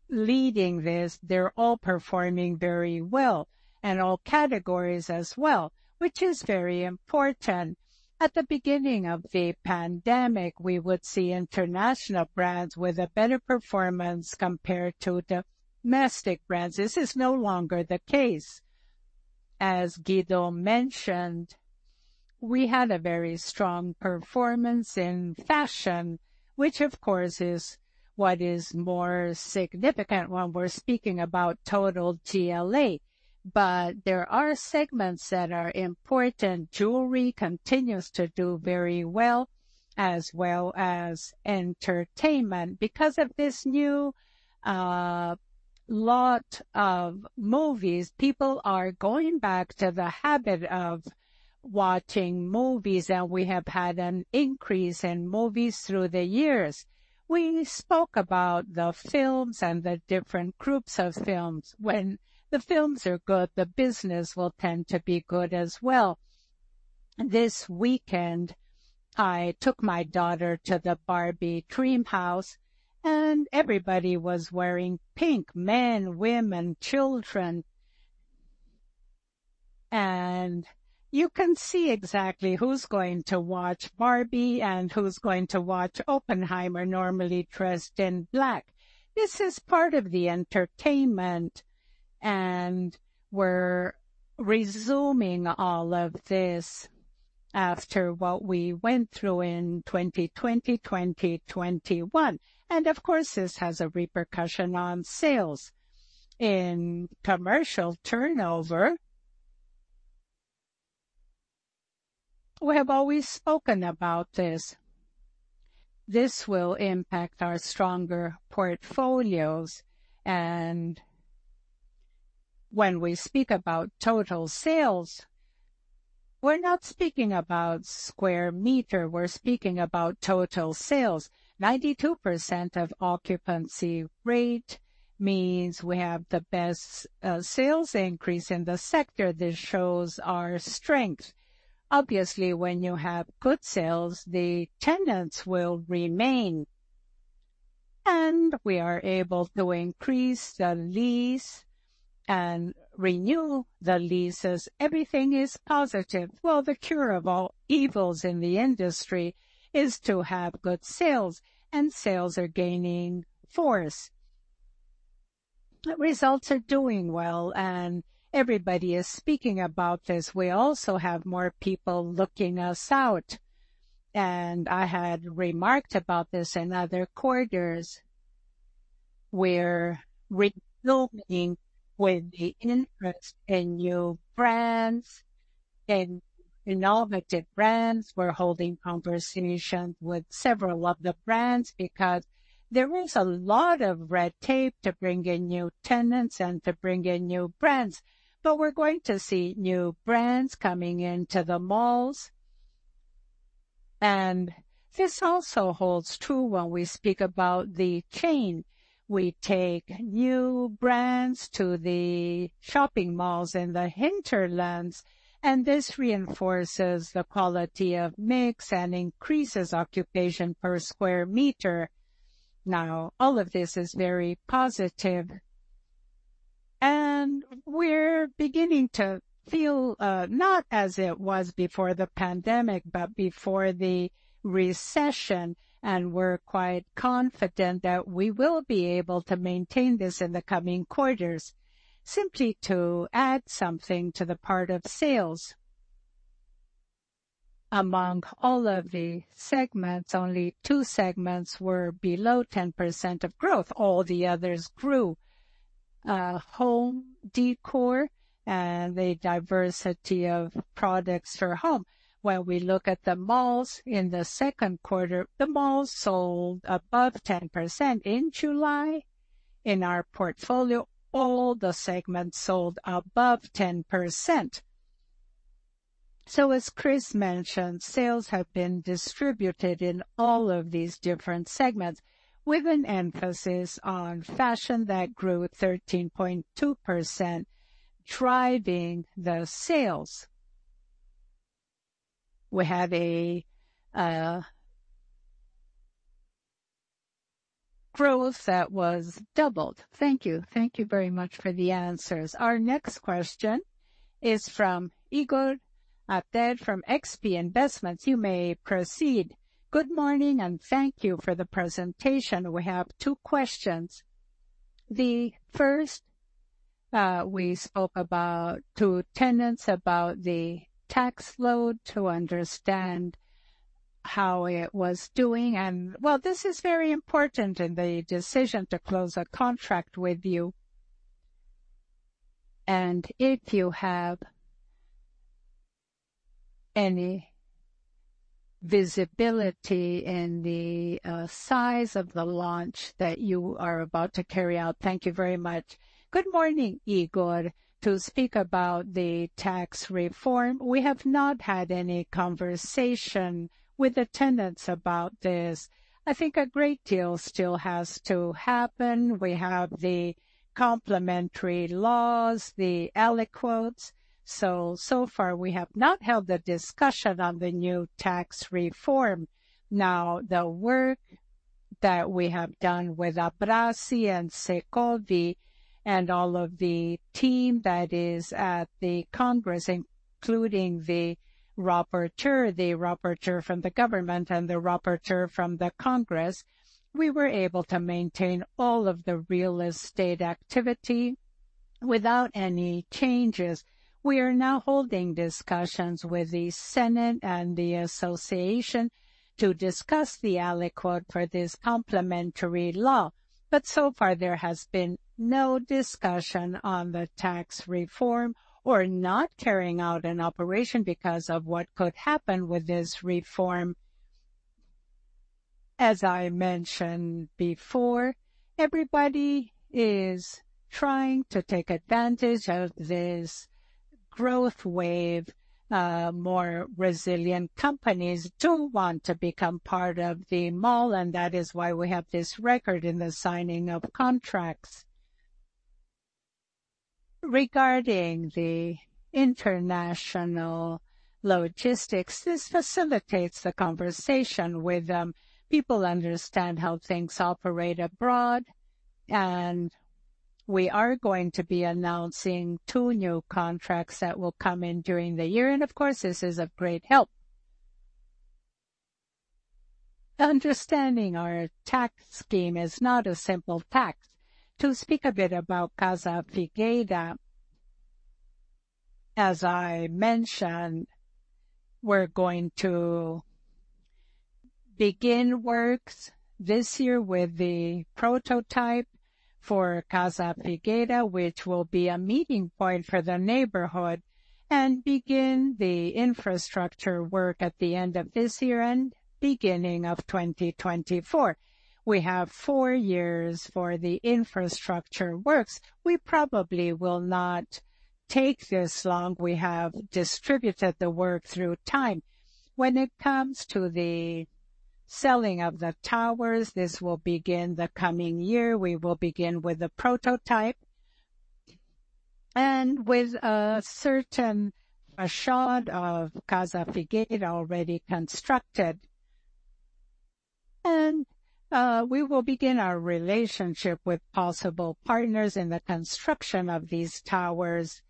leading this. They're all performing very well, and all categories as well, which is very important. At the beginning of the pandemic, we would see international brands with a better performance compared to domestic brands. This is no longer the case. As Guido mentioned, we had a very strong performance in fashion, which of course, is what is more significant when we're speaking about total GLA. There are segments that are important. Jewelry continues to do very well, as well as entertainment. Because of this new lot of movies, people are going back to the habit of watching movies, and we have had an increase in movies through the years. We spoke about the films and the different groups of films. When the films are good, the business will tend to be good as well. This weekend, I took my daughter to the Barbie Dreamhouse Experience, everybody was wearing pink: men, women, children. You can see exactly who's going to watch Barbie and who's going to watch Oppenheimer, normally dressed in black. This is part of the entertainment, we're resuming all of this after what we went through in 2020, 2021, of course, this has a repercussion on sales. In commercial turnover, we have always spoken about this. This will impact our stronger portfolios, when we speak about total sales, we're not speaking about square meter, we're speaking about total sales. 92% of occupancy rate means we have the best sales increase in the sector. This shows our strength. Obviously, when you have good sales, the tenants will remain, we are able to increase the lease and renew the leases. Everything is positive. Well, the cure of all evils in the industry is to have good sales. Sales are gaining force. The results are doing well. Everybody is speaking about this. We also have more people looking us out. I had remarked about this in other quarters. We're reopening with the interest in new brands, in innovative brands. We're holding conversations with several of the brands because there is a lot of red tape to bring in new tenants and to bring in new brands. We're going to see new brands coming into the malls. This also holds true when we speak about the chain. We take new brands to the shopping malls in the hinterlands. This reinforces the quality of mix and increases occupation per square meter. All of this is very positive, we're beginning to feel not as it was before the pandemic, but before the recession, we're quite confident that we will be able to maintain this in the coming quarters. Simply to add something to the part of sales. Among all of the segments, only two segments were below 10% of growth. All the others grew. Home decor and the diversity of products for home. When we look at the malls in the second quarter, the malls sold above 10%. In July, in our portfolio, all the segments sold above 10%. As Chris mentioned, sales have been distributed in all of these different segments, with an emphasis on fashion that grew 13.2%, driving the sales. We have a growth that was doubled. Thank you. Thank you very much for the answers. Next question is from Ygor Altero from XP Investimentos. You may proceed. Good morning, and thank you for the presentation. We have two questions. The first, we spoke about to tenants, about the tax load, to understand how it was doing, and well, this is very important in the decision to close a contract with you. If you have any visibility in the size of the launch that you are about to carry out. Thank you very much. Good morning, Igor. To speak about the tax reform, we have not had any conversation with the tenants about this. I think a great deal still has to happen. We have the complementary laws, the aliquots, so, so far, we have not held a discussion on the new tax reform. The work that we have done with ABRASCE and SECOVI and all of the team that is at the Congress, including the rapporteur, the rapporteur from the government and the rapporteur from the Congress, we were able to maintain all of the real estate activity without any changes. We are now holding discussions with the Senate and the association to discuss the aliquot for this complementary law. So far, there has been no discussion on the tax reform or not carrying out an operation because of what could happen with this reform. As I mentioned before, everybody is trying to take advantage of this growth wave. More resilient companies do want to become part of the mall, and that is why we have this record in the signing of contracts. Regarding the international logistics, this facilitates the conversation with them. People understand how things operate abroad, and we are going to be announcing 2 new contracts that will come in during the year. Of course, this is of great help.... Understanding our tax scheme is not a simple tax. To speak a bit about Casa Figueira, as I mentioned, we're going to begin works this year with the prototype for Casa Figueira, which will be a meeting point for the neighborhood, and begin the infrastructure work at the end of this year and beginning of 2024. We have 4 years for the infrastructure works. We probably will not take this long. We have distributed the work through time. When it comes to the selling of the towers, this will begin the coming year. We will begin with a prototype and with a certain facade of Casa Figueira already constructed. We will begin our relationship with possible partners in the construction of these towers.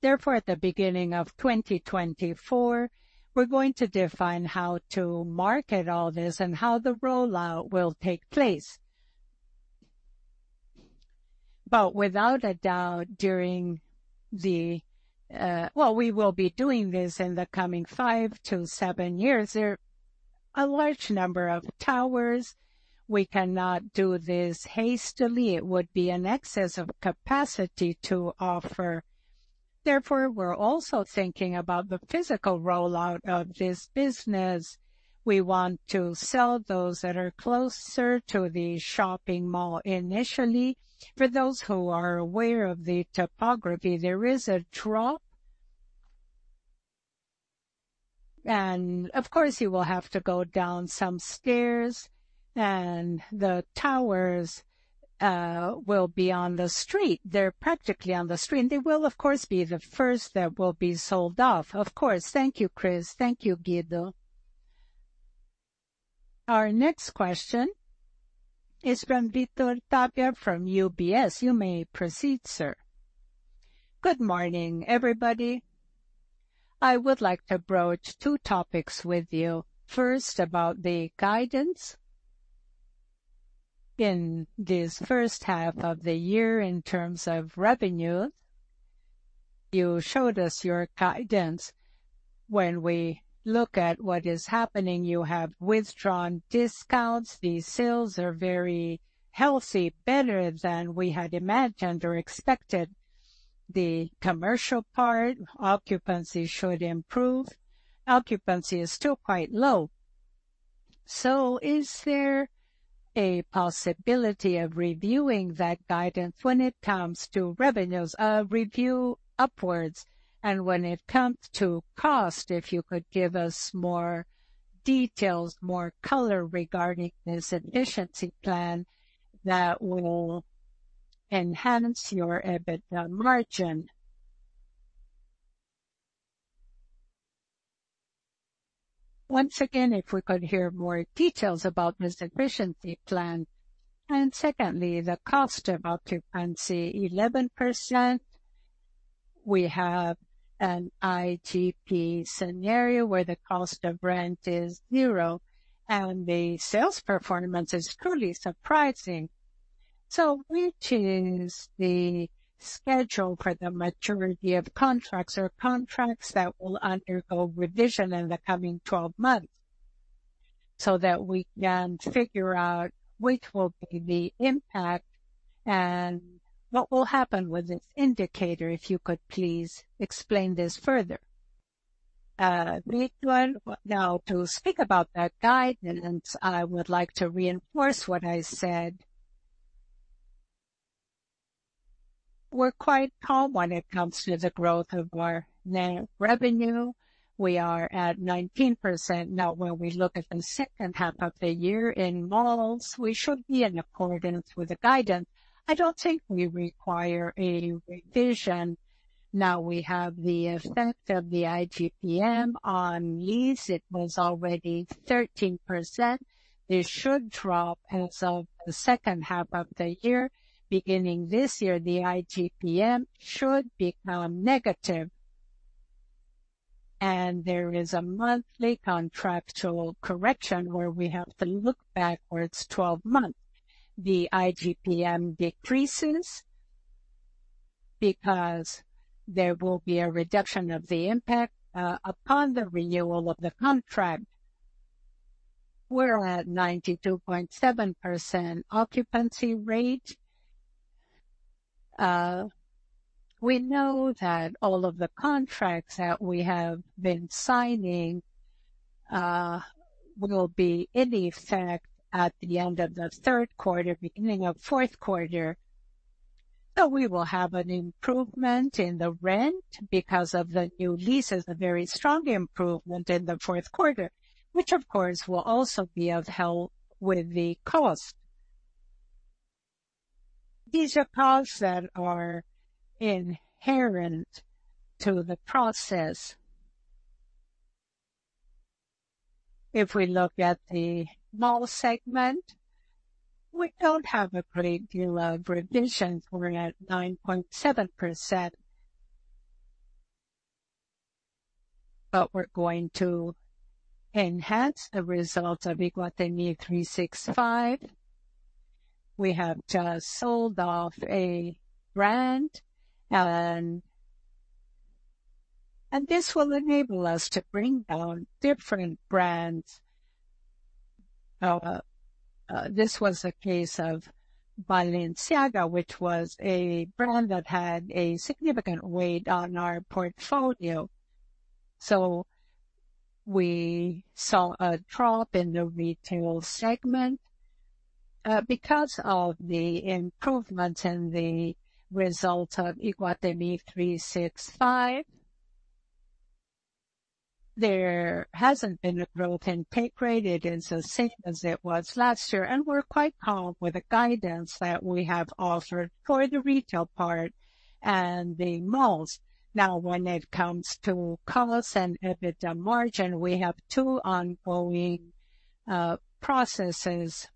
Therefore, at the beginning of 2024, we're going to define how to market all this and how the rollout will take place. Without a doubt, during the. Well, we will be doing this in the coming 5-7 years. There are a large number of towers. We cannot do this hastily. It would be an excess of capacity to offer. Therefore, we're also thinking about the physical rollout of this business. We want to sell those that are closer to the shopping mall initially. For those who are aware of the topography, there is a drop. Of course, you will have to go down some stairs, and the towers will be on the street. They're practically on the street, and they will, of course, be the 1st that will be sold off. Of course. Thank you, Chris. Thank you, Guido. Our next question is from Victor Tapia from UBS. You may proceed, sir. Good morning, everybody. I would like to broach 2 topics with you. 1st, about the guidance. In this 1st half of the year, in terms of revenues, you showed us your guidance. When we look at what is happening, you have withdrawn discounts. The sales are very healthy, better than we had imagined or expected. The commercial part, occupancy should improve. Occupancy is still quite low. Is there a possibility of reviewing that guidance when it comes to revenues, a review upwards? And when it comes to cost, if you could give us more details, more color regarding this efficiency plan that will enhance your EBITDA margin. Once again, if we could hear more details about this efficiency plan. Secondly, the cost of occupancy, 11%. We have an ITP scenario where the cost of rent is zero and the sales performance is truly surprising. Which is the schedule for the maturity of contracts or contracts that will undergo revision in the coming 12 months, so that we can figure out which will be the impact and what will happen with this indicator? If you could please explain this further. Victor, to speak about that guidance, I would like to reinforce what I said. We're quite calm when it comes to the growth of our net revenue. We are at 19%. When we look at the second half of the year in malls, we should be in accordance with the guidance. I don't think we require a revision. Now, we have the effect of the IGPM on lease. It was already 13%. It should drop as of the second half of the year. Beginning this year, the IGPM should become negative, and there is a monthly contractual correction where we have to look backwards 12 months. The IGPM decreases because there will be a reduction of the impact upon the renewal of the contract. We're at 92.7% occupancy rate. We know that all of the contracts that we have been signing will be in effect at the end of the 3rd quarter, beginning of 4th quarter. We will have an improvement in the rent because of the new leases, a very strong improvement in the 4th quarter, which, of course, will also be of help with the cost. These are costs that are inherent to the process. If we look at the mall segment, we don't have a great deal of revisions. We're at 9.7%. We're going to enhance the results of Iguatemi 365. We have just sold off a brand, and this will enable us to bring down different brands. This was a case of Balenciaga, which was a brand that had a significant weight on our portfolio. We saw a drop in the retail segment because of the improvement in the result of Iguatemi 365. There hasn't been a growth in peak rate, it is the same as it was last year. We're quite calm with the guidance that we have offered for the retail part and the malls. Now, when it comes to costs and EBITDA margin, we have two ongoing processes.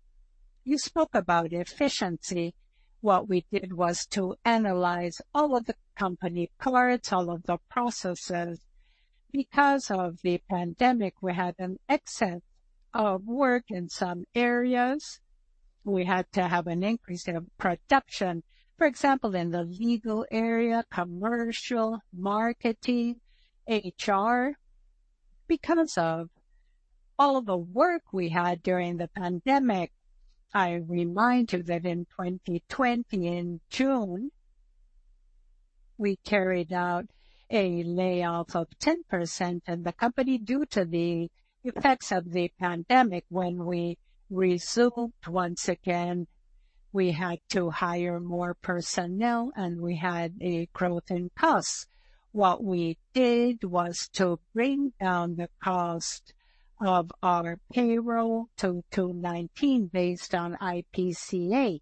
You spoke about efficiency. What we did was to analyze all of the company cards, all of the processes. Because of the pandemic, we had an excess of work in some areas. We had to have an increase in production, for example, in the legal area, commercial, marketing, HR. Because of all the work we had during the pandemic, I remind you that in 2020, in June, we carried out a layoff of 10%, and the company, due to the effects of the pandemic, when we resumed once again, we had to hire more personnel, and we had a growth in costs. What we did was to bring down the cost of our payroll to 219 based on IPCA.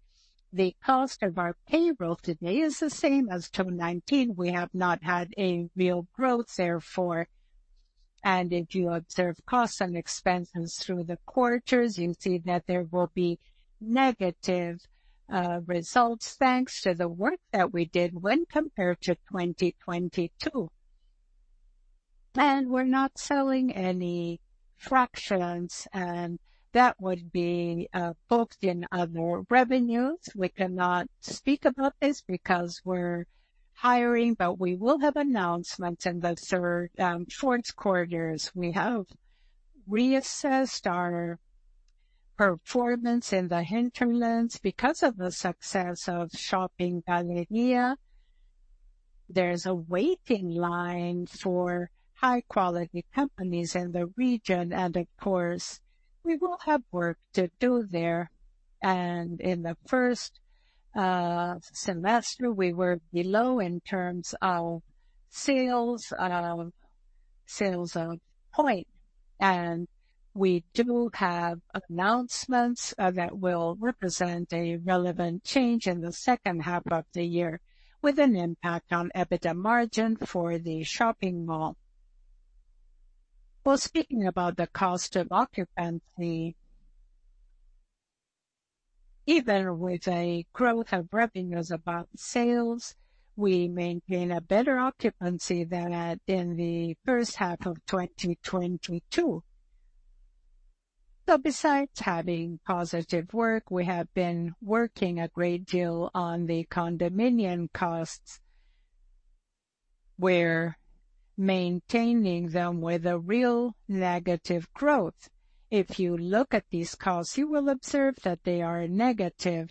The cost of our payroll today is the same as 219. We have not had a real growth therefore, if you observe costs and expenses through the quarters, you see that there will be negative results, thanks to the work that we did when compared to 2022. We're not selling any fractions, and that would be both in other revenues. We cannot speak about this because we're hiring, but we will have announcements in the third, fourth quarters. We have reassessed our performance in the hinterlands because of the success of Shopping Galleria. There's a waiting line for high-quality companies in the region, of course, we will have work to do there. In the first semester, we were below in terms of sales, sales of point, and we do have announcements that will represent a relevant change in the second half of the year, with an impact on EBITDA margin for the shopping mall. Speaking about the cost of occupancy, even with a growth of revenues about sales, we maintain a better occupancy than at in the first half of 2022. Besides having positive work, we have been working a great deal on the condominium costs. We're maintaining them with a real negative growth. If you look at these costs, you will observe that they are negative.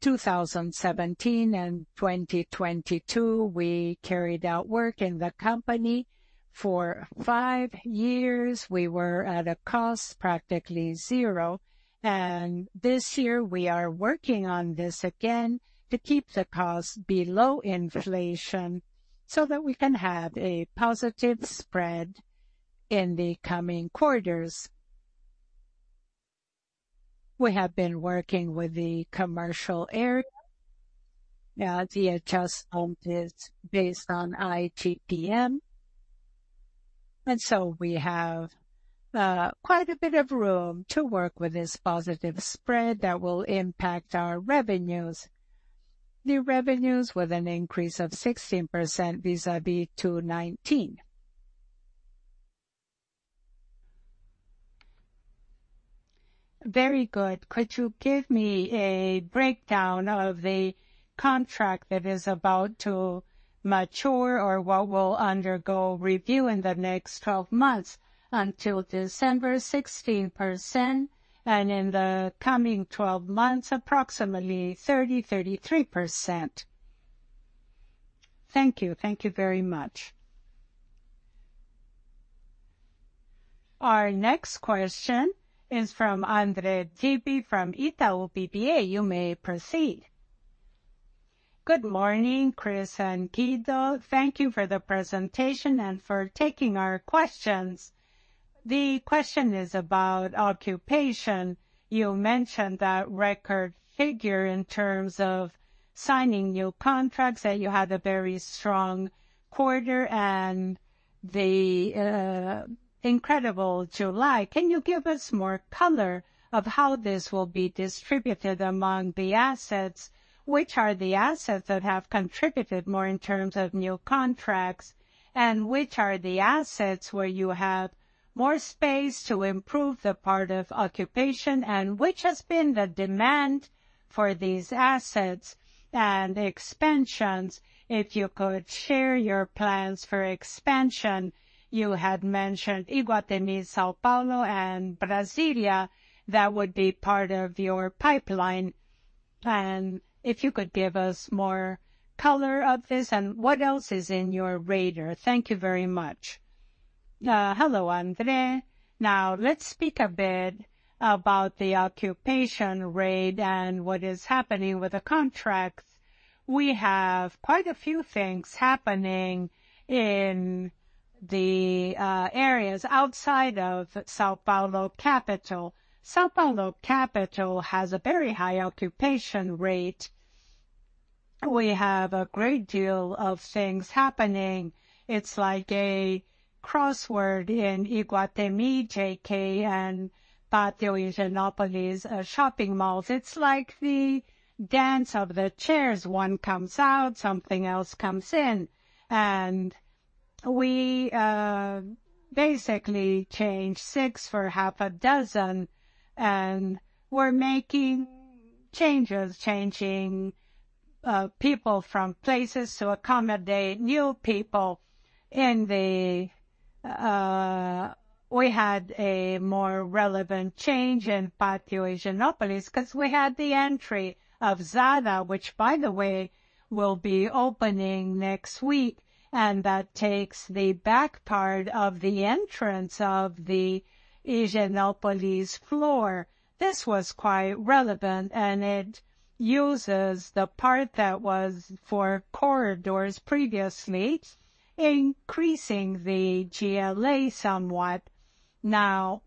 2017 and 2022, we carried out work in the company. For 5 years, we were at a cost practically zero. This year, we are working on this again to keep the cost below inflation so that we can have a positive spread in the coming quarters. We have been working with the commercial area. Now, the adjustment is based on IGPM, we have quite a bit of room to work with this positive spread that will impact our revenues. The revenues with an increase of 16% vis-a-vis 2019. Very good. Could you give me a breakdown of the contract that is about to mature or what will undergo review in the next 12 months? Until December, 16%, and in the coming 12 months, approximately 30%-33%. Thank you. Thank you very much. Our next question is from Andre Tipi from Itaú BBA. You may proceed. Good morning, Chris and Guido. Thank you for the presentation and for taking our questions. The question is about occupation. You mentioned that record figure in terms of signing new contracts, that you had a very strong quarter, and incredible July. Can you give us more color of how this will be distributed among the assets? Which are the assets that have contributed more in terms of new contracts, and which are the assets where you have more space to improve the part of occupation, and which has been the demand for these assets and expansions? If you could share your plans for expansion. You had mentioned Iguatemi São Paulo and Brasília, that would be part of your pipeline. If you could give us more color of this, and what else is in your radar? Thank you very much. Hello, André. Now, let's speak a bit about the occupation rate and what is happening with the contracts. We have quite a few things happening in the areas outside of São Paulo capital. São Paulo capital has a very high occupation rate. We have a great deal of things happening. It's like a crossword in Iguatemi, JK, and Pátio Higienópolis shopping malls. It's like the dance of the chairs, one comes out, something else comes in. We basically change six for half a dozen, and we're making changes, changing people from places to accommodate new people. We had a more relevant change in Pátio Higienópolis 'cause we had the entry of Zara, which, by the way, will be opening next week, and that takes the back part of the entrance of the Higienópolis floor. This was quite relevant, and it uses the part that was for corridors previously, increasing the GLA somewhat. Now,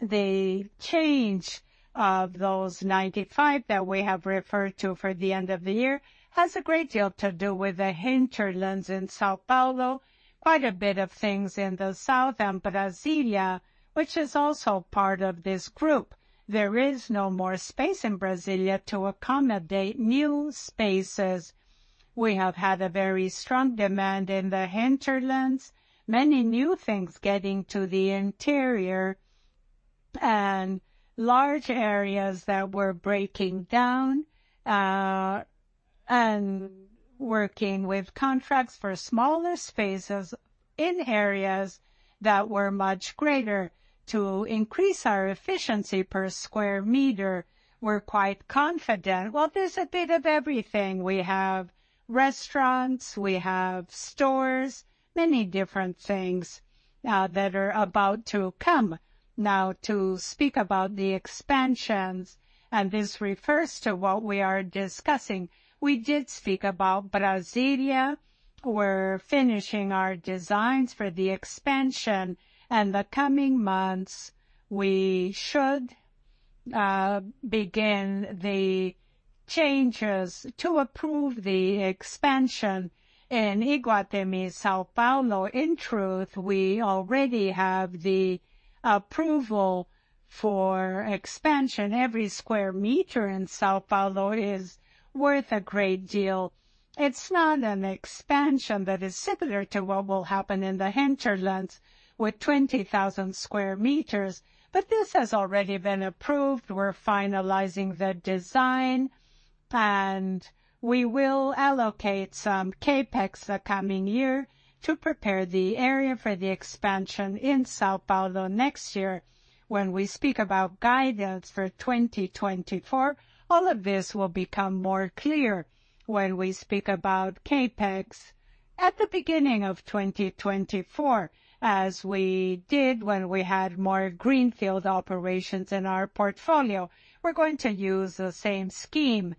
the change of those 95 that we have referred to for the end of the year, has a great deal to do with the hinterlands in São Paulo, quite a bit of things in the south and Brasília, which is also part of this group. There is no more space in Brasília to accommodate new spaces. We have had a very strong demand in the hinterlands, many new things getting to the interior, and large areas that were breaking down and working with contracts for smaller spaces in areas that were much greater. To increase our efficiency per square meter, we're quite confident. Well, there's a bit of everything. We have restaurants, we have stores, many different things that are about to come. To speak about the expansions, and this refers to what we are discussing. We did speak about Brasília. We're finishing our designs for the expansion, and the coming months, we should begin the changes to approve the expansion in Iguatemi, São Paulo. In truth, we already have the approval for expansion. Every square meter in São Paulo is worth a great deal. It's not an expansion that is similar to what will happen in the hinterlands with 20,000 square meters, but this has already been approved. We're finalizing the design, and we will allocate some CapEx the coming year to prepare the area for the expansion in São Paulo next year. When we speak about guidance for 2024, all of this will become more clear. When we speak about CapEx at the beginning of 2024, as we did when we had more greenfield operations in our portfolio, we're going to use the same scheme.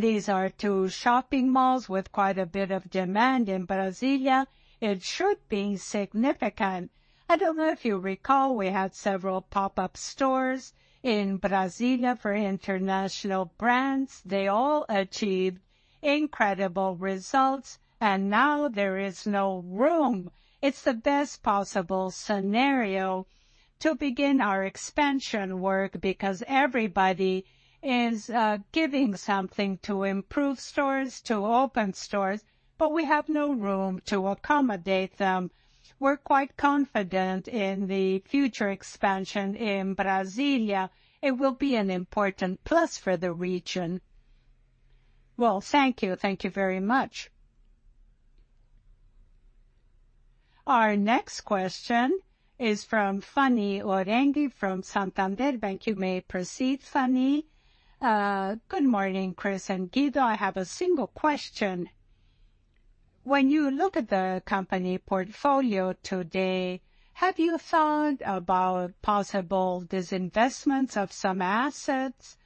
These are two shopping malls with quite a bit of demand in Brasília. It should be significant. I don't know if you recall, we had several pop-up stores in Brasília for international brands. They all achieved incredible results, and now there is no room. It's the best possible scenario to begin our expansion work because everybody is giving something to improve stores, to open stores, but we have no room to accommodate them. We're quite confident in the future expansion in Brasília. It will be an important plus for the region. Well, thank you. Thank you very much. Our next question is from Fanny Oreng, from Santander Bank. You may proceed, Fani. Good morning, Chris and Guido. I have a single question. When you look at the company portfolio today, have you thought about possible disinvestment of some assets,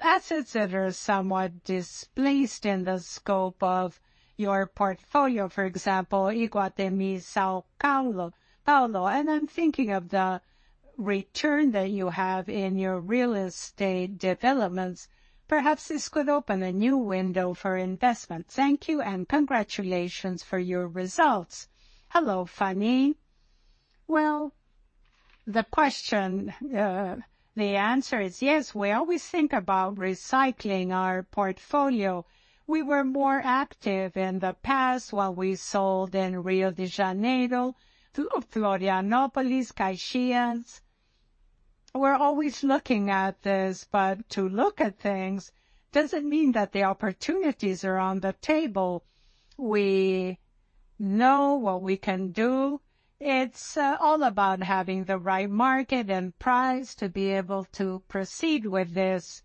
assets that are somewhat displaced in the scope of your portfolio, for example, Iguatemi São Paulo? I'm thinking of the return that you have in your real estate developments. Perhaps this could open a new window for investment. Thank you, and congratulations for your results. Hello, Fanny. Well- The question, the answer is yes. We always think about recycling our portfolio. We were more active in the past when we sold in Rio de Janeiro, through Florianopolis, Caxias. We're always looking at this, but to look at things doesn't mean that the opportunities are on the table. We know what we can do. It's all about having the right market and price to be able to proceed with this.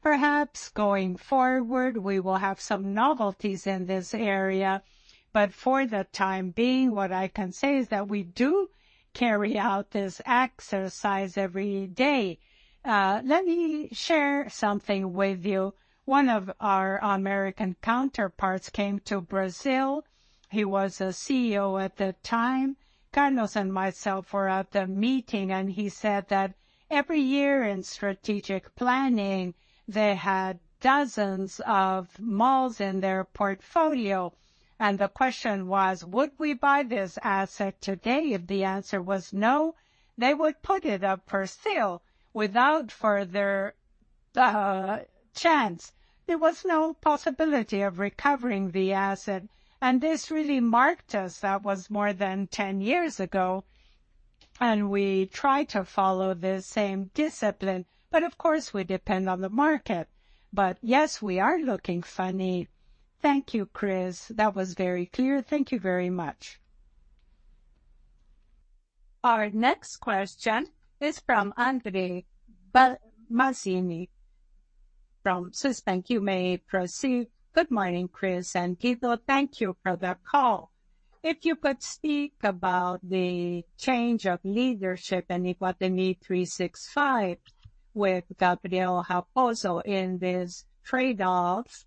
Perhaps going forward, we will have some novelties in this area, but for the time being, what I can say is that we do carry out this exercise every day. Let me share something with you. One of our American counterparts came to Brazil. He was a CEO at the time. Carlos and myself were at the meeting. He said that every year in strategic planning, they had dozens of malls in their portfolio. The question was: Would we buy this asset today? If the answer was no, they would put it up for sale without further chance. There was no possibility of recovering the asset. This really marked us. That was more than 10 years ago. We try to follow the same discipline, but of course, we depend on the market. Yes, we are looking funny. Thank you, Chris. That was very clear. Thank you very much. Our next question is from André Balsanelli from BTG Pactual. You may proceed. Good morning, Chris and Guido. Thank you for the call. If you could speak about the change of leadership in Iguatemi 365 with Gabriel Raposo in this trade-off,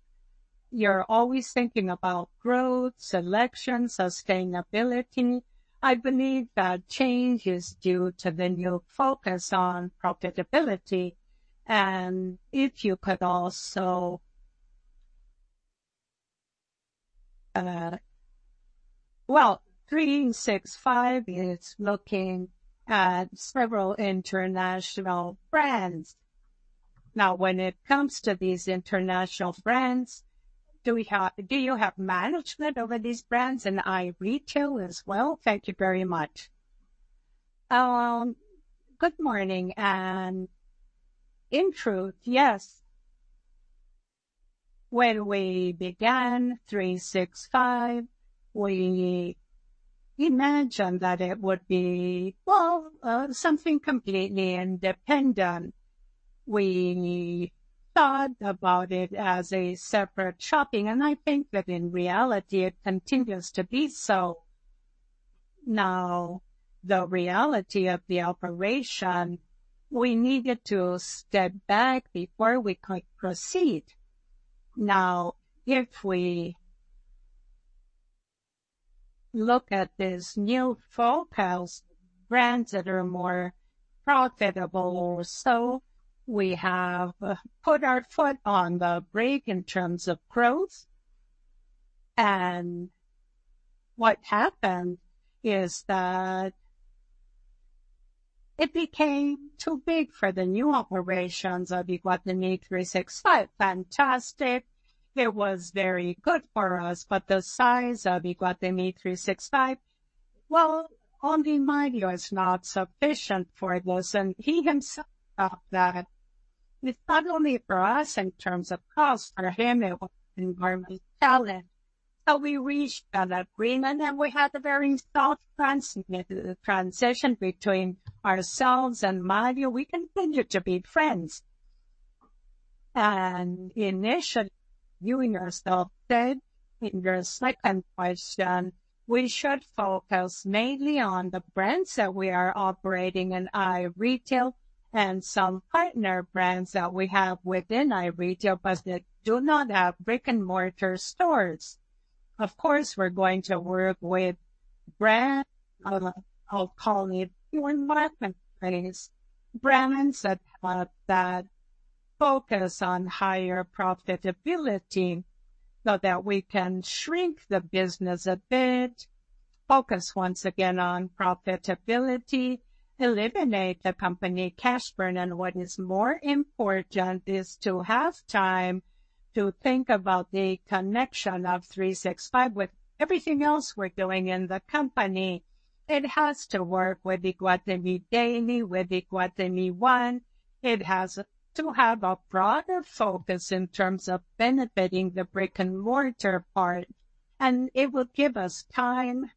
you're always thinking about growth, selection, sustainability. I believe that change is due to the new focus on profitability. If you could also... Well, 365 is looking at several international brands. Now, when it comes to these international brands, do you have management over these brands in iRetail as well? Thank you very much. Good morning. In truth, yes. When we began 365, we imagined that it would be, well, something completely independent. We thought about it as a separate shopping. I think that in reality, it continues to be so. Now, the reality of the operation, we needed to step back before we could proceed. If we look at this new focus, brands that are more profitable or so, we have put our foot on the brake in terms of growth, and what happened is that it became too big for the new operations of Iguatemi 365. Fantastic! It was very good for us, the size of Iguatemi 365, well, only Mario is not sufficient for this, and he himself thought that it's not only for us in terms of cost, for him, it was an enormous challenge. We reached an agreement, and we had a very soft transition between ourselves and Mario. We continue to be friends. Initially, you yourself said in your second question, we should focus mainly on the brands that we are operating in iRetail and some partner brands that we have within iRetail, but they do not have brick-and-mortar stores. Of course, we're going to work with brand, I'll call it one marketplace, brands that focus on higher profitability so that we can shrink the business a bit, focus once again on profitability, eliminate the company cash burn, and what is more important is to have time to think about the connection of 365 with everything else we're doing in the company. It has to work with Iguatemi Daily, with Iguatemi One. It has to have a broader focus in terms of benefiting the brick-and-mortar part, and it will give us time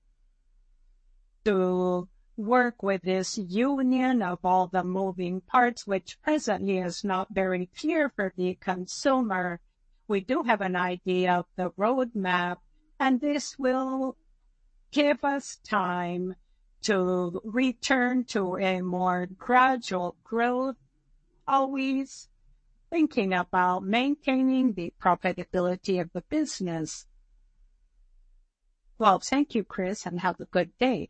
to work with this union of all the moving parts, which presently is not very clear for the consumer. We do have an idea of the roadmap, and this will give us time to return to a more gradual growth, always thinking about maintaining the profitability of the business. Well, thank you, Chris, and have a good day.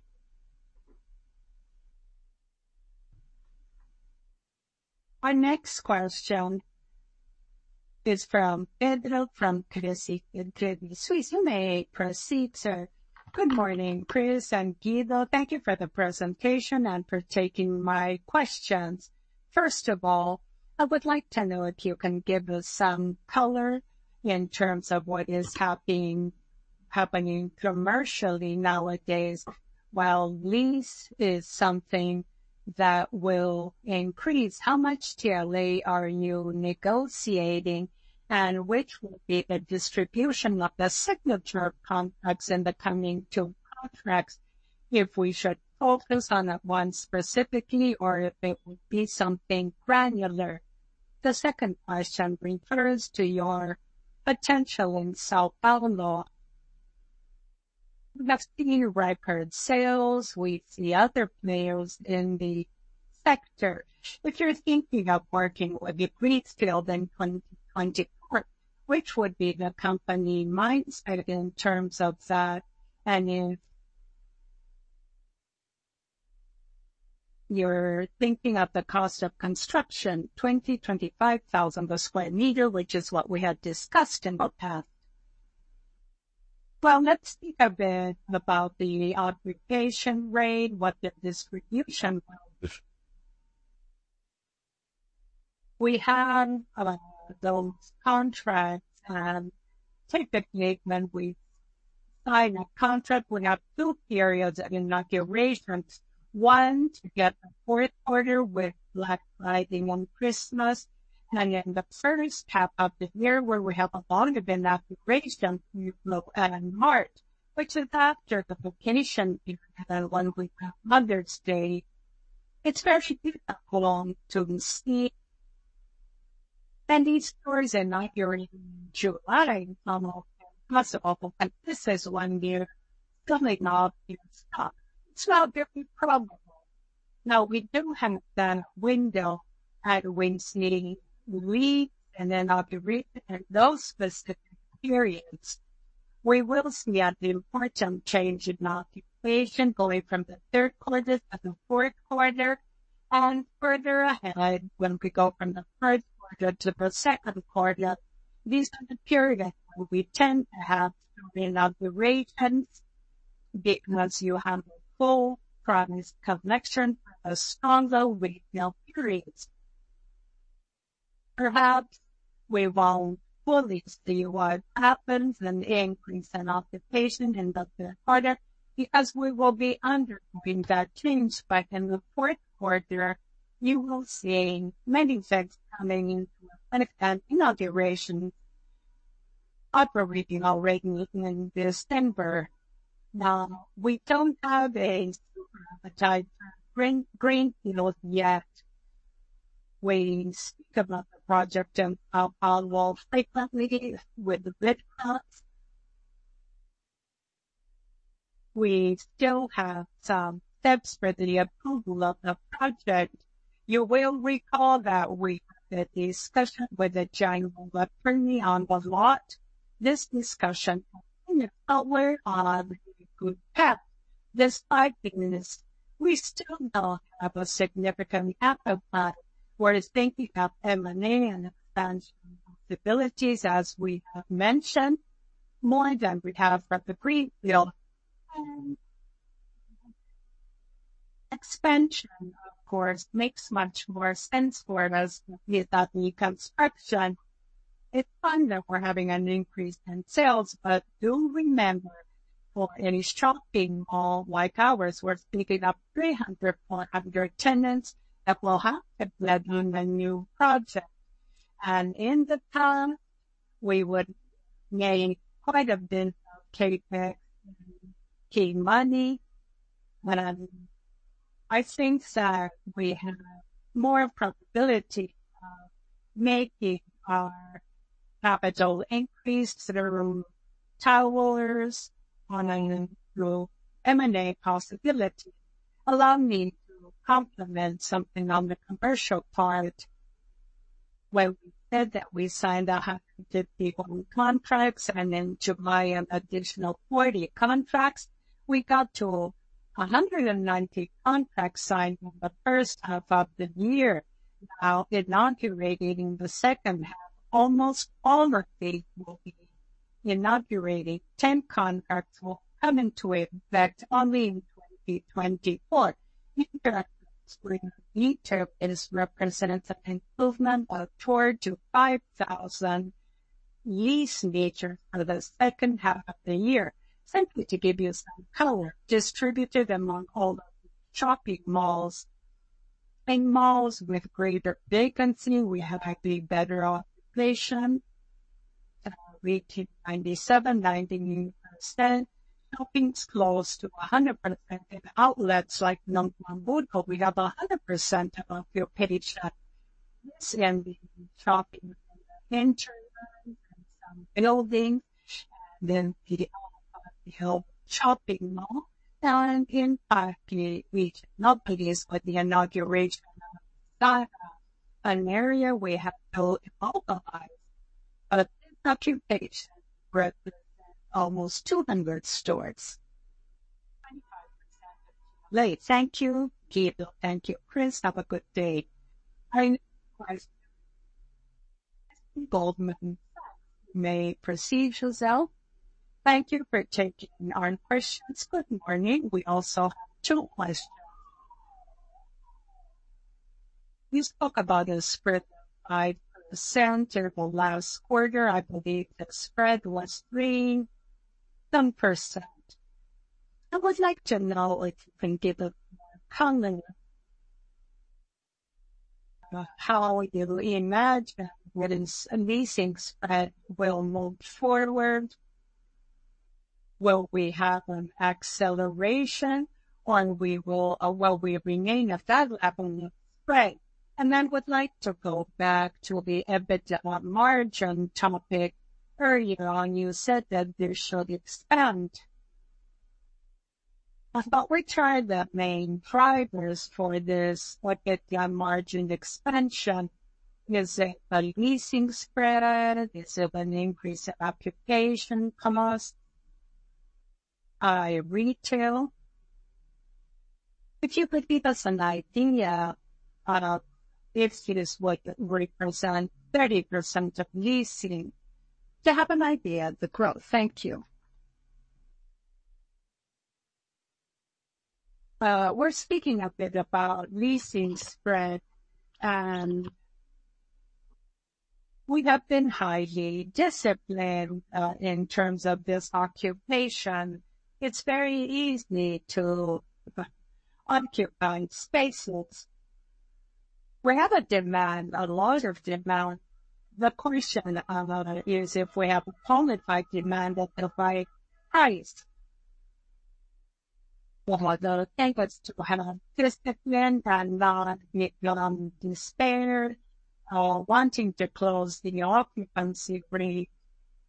Our next question is from Pedro, from Credit Suisse. You may proceed, sir. Good morning, Chris and Guido. Thank you for the presentation and for taking my questions. First of all, I would like to know if you can give us some color in terms of what is happening, happening commercially nowadays. While lease is something that will increase, how much GLA are you negotiating, and which will be the distribution of the signature contracts in the coming 2 contracts, if we should focus on that one specifically, or if it would be something granular? The second question refers to your potential in São Paulo. We have seen record sales, we see other players in the sector. If you're thinking of working with the green field in 2024, which would be the company mindset in terms of that, if you're thinking of the cost of construction, 20,000-25,000 per square meter, which is what we had discussed in the past. Well, let's speak a bit about the occupation rate, what the distribution of. We have those contracts, typically, when we sign a contract, we have two periods of inaugurations. One, to get the fourth quarter with Black Friday and Christmas, in the first half of the year, where we have a lot of inaugurations, you know, in March, which is after the vacation, 1 week Mother's Day. It's very difficult to see. These stores are not here in July, possible, but this is 1 year coming up. It's not very probable. We do have the window, and we see leads, and then observation in those specific periods. We will see an important change in occupation going from the third quarter to the fourth quarter, and further ahead, when we go from the first quarter to the second quarter. These are the periods where we tend to have some inaugurations because you have a full price connection and a stronger retail period. Perhaps we won't fully see what happens and increase in occupation in the third quarter, because we will be undergoing that change. In the fourth quarter, you will see many effects coming into effect, inauguration, operating already in December. We don't have a super appetite for green, green fields yet. We speak about the project in São Paulo frequently with the business. We still have some steps for the approval of the project. You will recall that we had a discussion with the general attorney on the lot. This discussion is on a good path. Despite this, we still don't have a significant appetite. We're thinking of M&A and expansion possibilities, as we have mentioned, more than we have for the green field. Expansion, of course, makes much more sense for us than the construction. It's fun that we're having an increase in sales, but do remember, for any shopping mall like ours, we're speaking of 300, 400 tenants that will have to be on the new project. In the time, we would make quite a bit of CapEx and key money. I think that we have more probability of making our capital increase through towers on an M&A possibility. Allow me to complement something on the commercial part. When we said that we signed 151 contracts and in July, an additional 40 contracts, we got to 190 contracts signed in the 1st half of the year. Now, inaugurating the 2nd half, almost all of it will be inaugurating. 10 contracts will come into effect only in 2024. This represents an improvement of 4,000-5,000 lease meters for the 2nd half of the year. Simply to give you some color, distributed among all the shopping malls. In malls with greater vacancy, we have a better occupation, we keep 97%-98%. Shopping is close to 100%. Outlets like we have 100% occupation. This can be shopping, enter some buildings, then the shopping mall. In fact, we are not pleased with the inauguration. An area we have to localize, but this occupation represents almost 200 stores. Thank you, Guido. Thank you, Chris. Have a good day. I, Goldman, you may proceed, Gisele. Thank you for taking our questions. Good morning. We also have two questions. You spoke about a spread of 5% in the last quarter. I believe the spread was 3-some %. I would like to know if you can give a comment, how you imagine what is amazing spread will move forward? Will we have an acceleration or we will, or will we remain at that level of spread? Then would like to go back to the EBITDA margin topic. Earlier on, you said that this should expand. I thought we tried the main drivers for this EBITDA margin expansion. Is it a leasing spread? Is it an increase in occupation cost, retail? If you could give us an idea, if it is what represent 30% of leasing, to have an idea of the growth. Thank you. We're speaking a bit about leasing spread, and we have been highly disciplined in terms of this occupation. It's very easy to occupy spaces. We have a demand, a lot of demand. The question is if we have a qualified demand at the right price. Well, the thing is to have discipline and not become despair or wanting to close the occupancy rate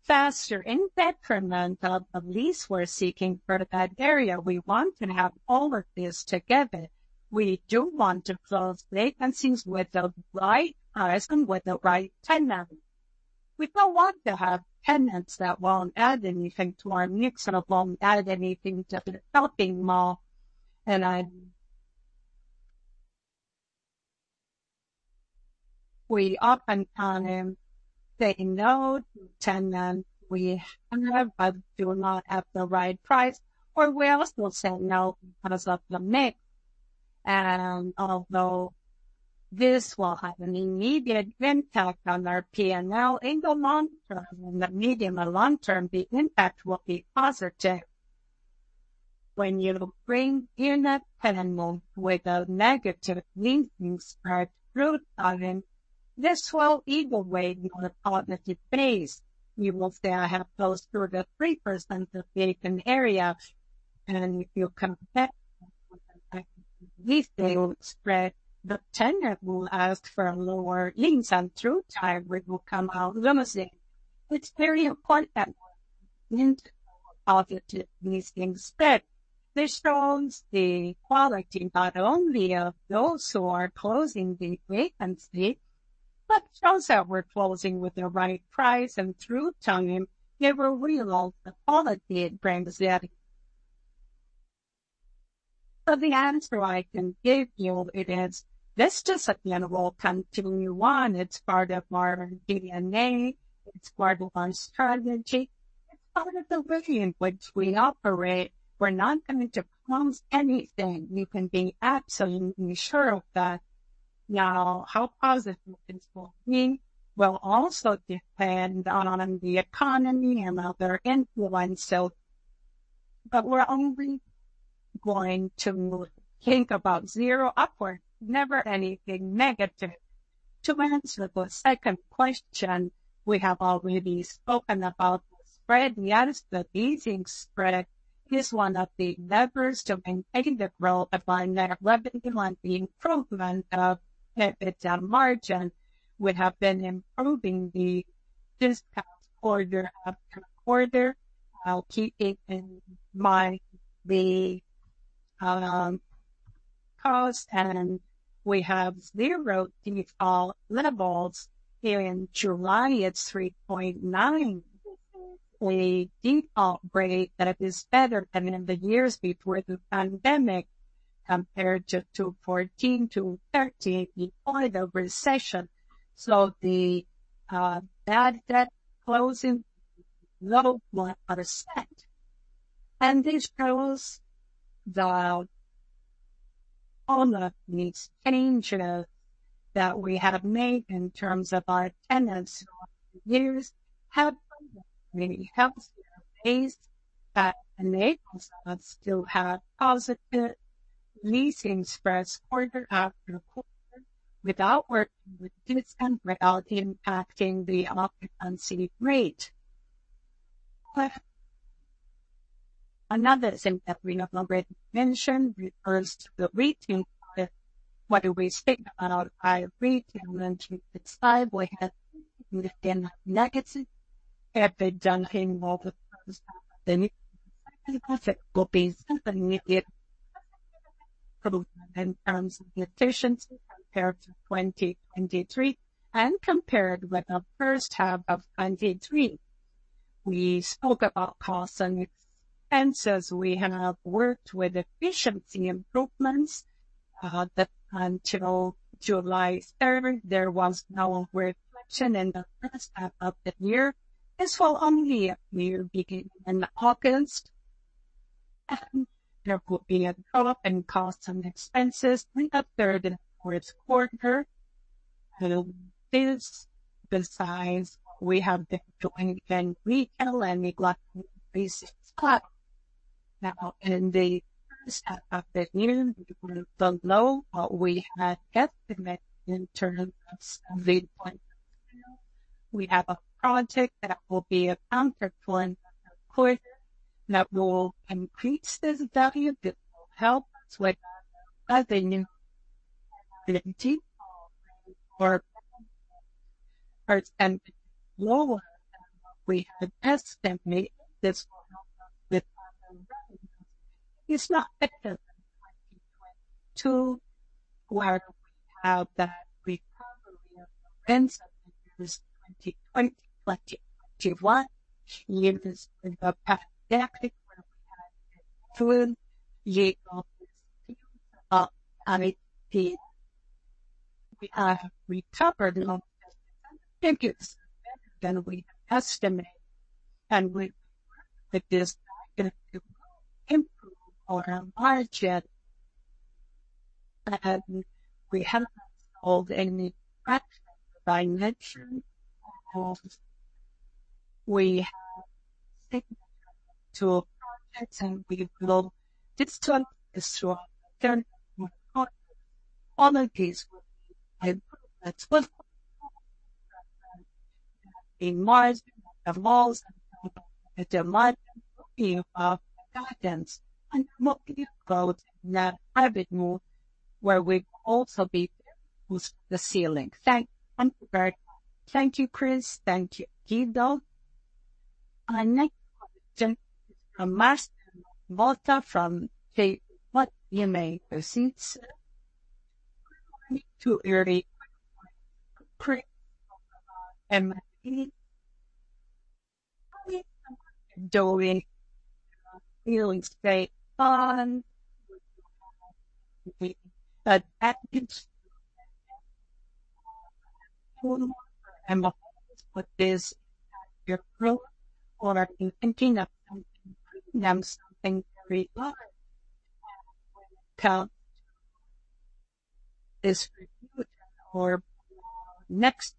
faster in detriment of the lease we're seeking for that area. We want to have all of this together. We do want to close vacancies with the right price and with the right tenant. We don't want to have tenants that won't add anything to our mix and won't add anything to the shopping mall. I oftentimes say no to tenants we have, but do not have the right price, or we also say no because of the mix. Although this will have an immediate impact on our P&L in the long term, in the medium or long term, the impact will be positive. When you bring in a tenant with a negative leasing spread through time, this will either way be a positive base. You will say, I have those through the 3% of the vacant area, and if you compare leasing spread, the tenant will ask for lower lease, and through time, we will come out losing. It's very important that positive leasing spread. This shows the quality not only of those who are closing the vacancy, but shows that we're closing with the right price, and through time, they will realize the quality it brings in. The answer I can give you it is, this discipline will continue on. It's part of our DNA, it's part of our strategy, it's part of the way in which we operate. We're not going to promise anything. You can be absolutely sure of that. How positive this will be will also depend on the economy and other influences. We're only going to think about zero upwards, never anything negative. To answer the second question, we have already spoken about the spread. Yes, the leasing spread is one of the levers to maintaining the growth of our net revenue and the improvement of EBITDA margin. We have been improving the this past quarter after quarter, keeping in mind the cost, and we have zero default levels. In July, it's 3.9. A default rate that is better than in the years before the pandemic, compared to 14 to 13 before the recession. The bad debt closing low 1%, and this shows that all of these changes that we have made in terms of our tenants over the years have been a healthier base that enables us to have positive leasing spreads quarter after quarter, without working with discount, without impacting the occupancy rate. Another thing that we have already mentioned refers to the retail part. When we speak about our retail in 2025, we had a negative EBITDA in the first half of the year. Compared to 2023 and compared with the first half of 2023. We spoke about costs and expenses. We have worked with efficiency improvements that until July 3rd, there was no reflection in the first half of the year. This will only appear beginning in August, there will be a drop in costs and expenses in the third and fourth quarter. This, besides, we have been doing very well and we like basic spot. Now, in the first half of the year, below what we had estimated in terms of spending point. We have a project that will be accounted for, of course, that will increase this value. This will help us with other new and lower than what we had estimated. It's not better than 2022, where we have that recovery of events of the years 2020, 2021. Even with the pandemic, where we had a full year of IP. We have recovered almost, I think it's better than we estimate, and we think that this will improve our margin, and we haven't solved any practical dimension. Of we have 2 projects. We will district through all of these. In March, the malls, the demand of guidance, and we'll give out net private move, where we've also been pushed the ceiling. Thank you. Thank you very much. Thank you, Chris. Thank you, Guido. Our next question from Marcelo Motta from JPMorgan. You may proceed, sir. To early, pretty, doing really stay on, but that is. What is your growth, or are you thinking of something very large? Tell this for you or next.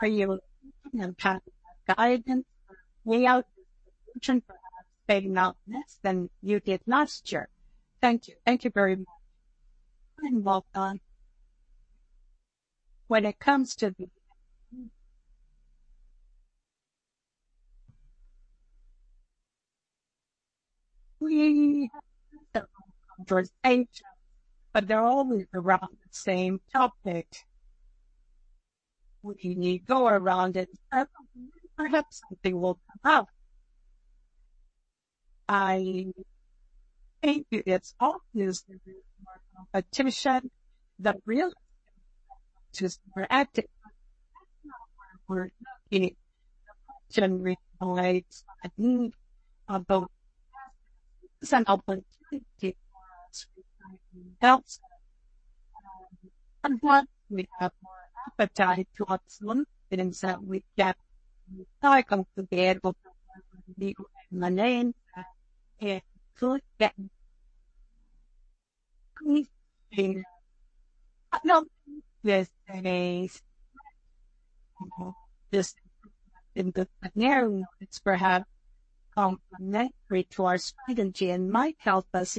Are you looking at guidance, way out than you did last year? Thank you. Thank you very much. Welcome. When it comes to the. We, but they're always around the same topic. We go around it, perhaps something will come up. I think it's obviously competition, the real to interact with it, generate a need of the some opportunity for us to help. We have more opportunity to observe, and so we get cycle together with my name and good. I know this is just in the scenario, it's perhaps complimentary to our strategy and might help us.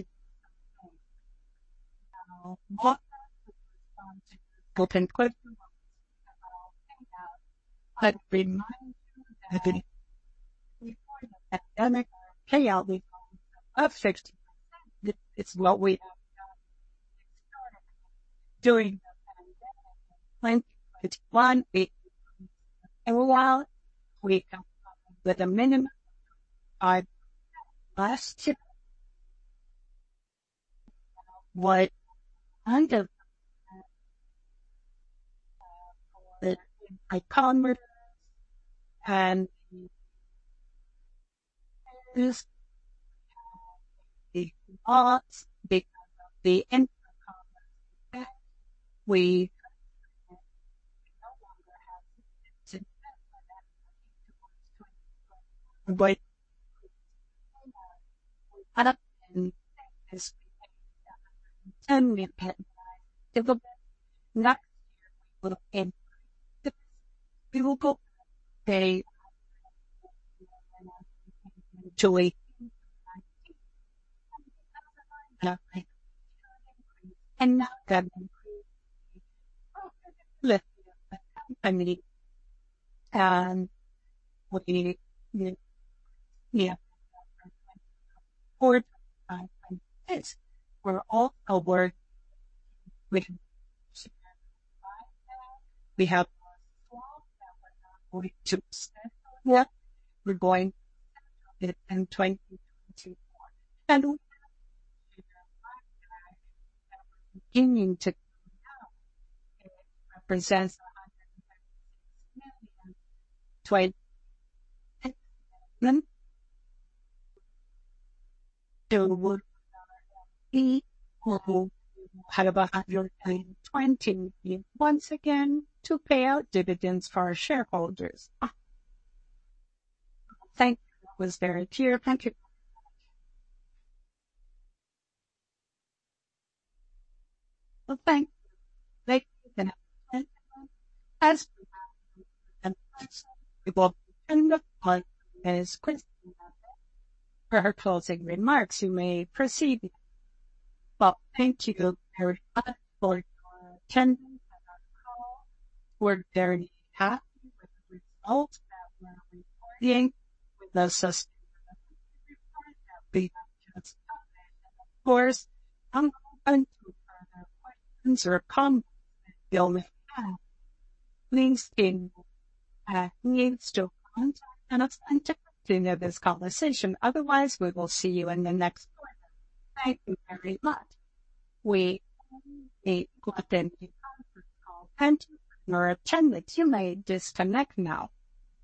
Remind you that the pandemic payout of 60. It's what we are doing. Doing 2021, we, while we come up with a minimum last year. What kind of... The icon and this, the arts, because of the we... And we have next year, we will go, we will go day to wait. And now that, I mean, and we, yeah, 4th, 5, and 6th. We're all aboard. We have going to extend yet. We're going in 2024, and we're beginning to represents 20... Once again, to pay out dividends for our shareholders. Thank you. That was very clear. Thank you. Well, thank you. Thank you. As we will end the call, Ms. Cristina, for her closing remarks, you may proceed. Well, thank you very much for your attendance on our call. We're very happy with the results that we're reporting, with the success, of course, questions or comments you may have. Please stay, needs to contact and continue this conversation. Otherwise, we will see you in the next one. Thank you very much. We got any call, thank you for your attendance. You may disconnect now.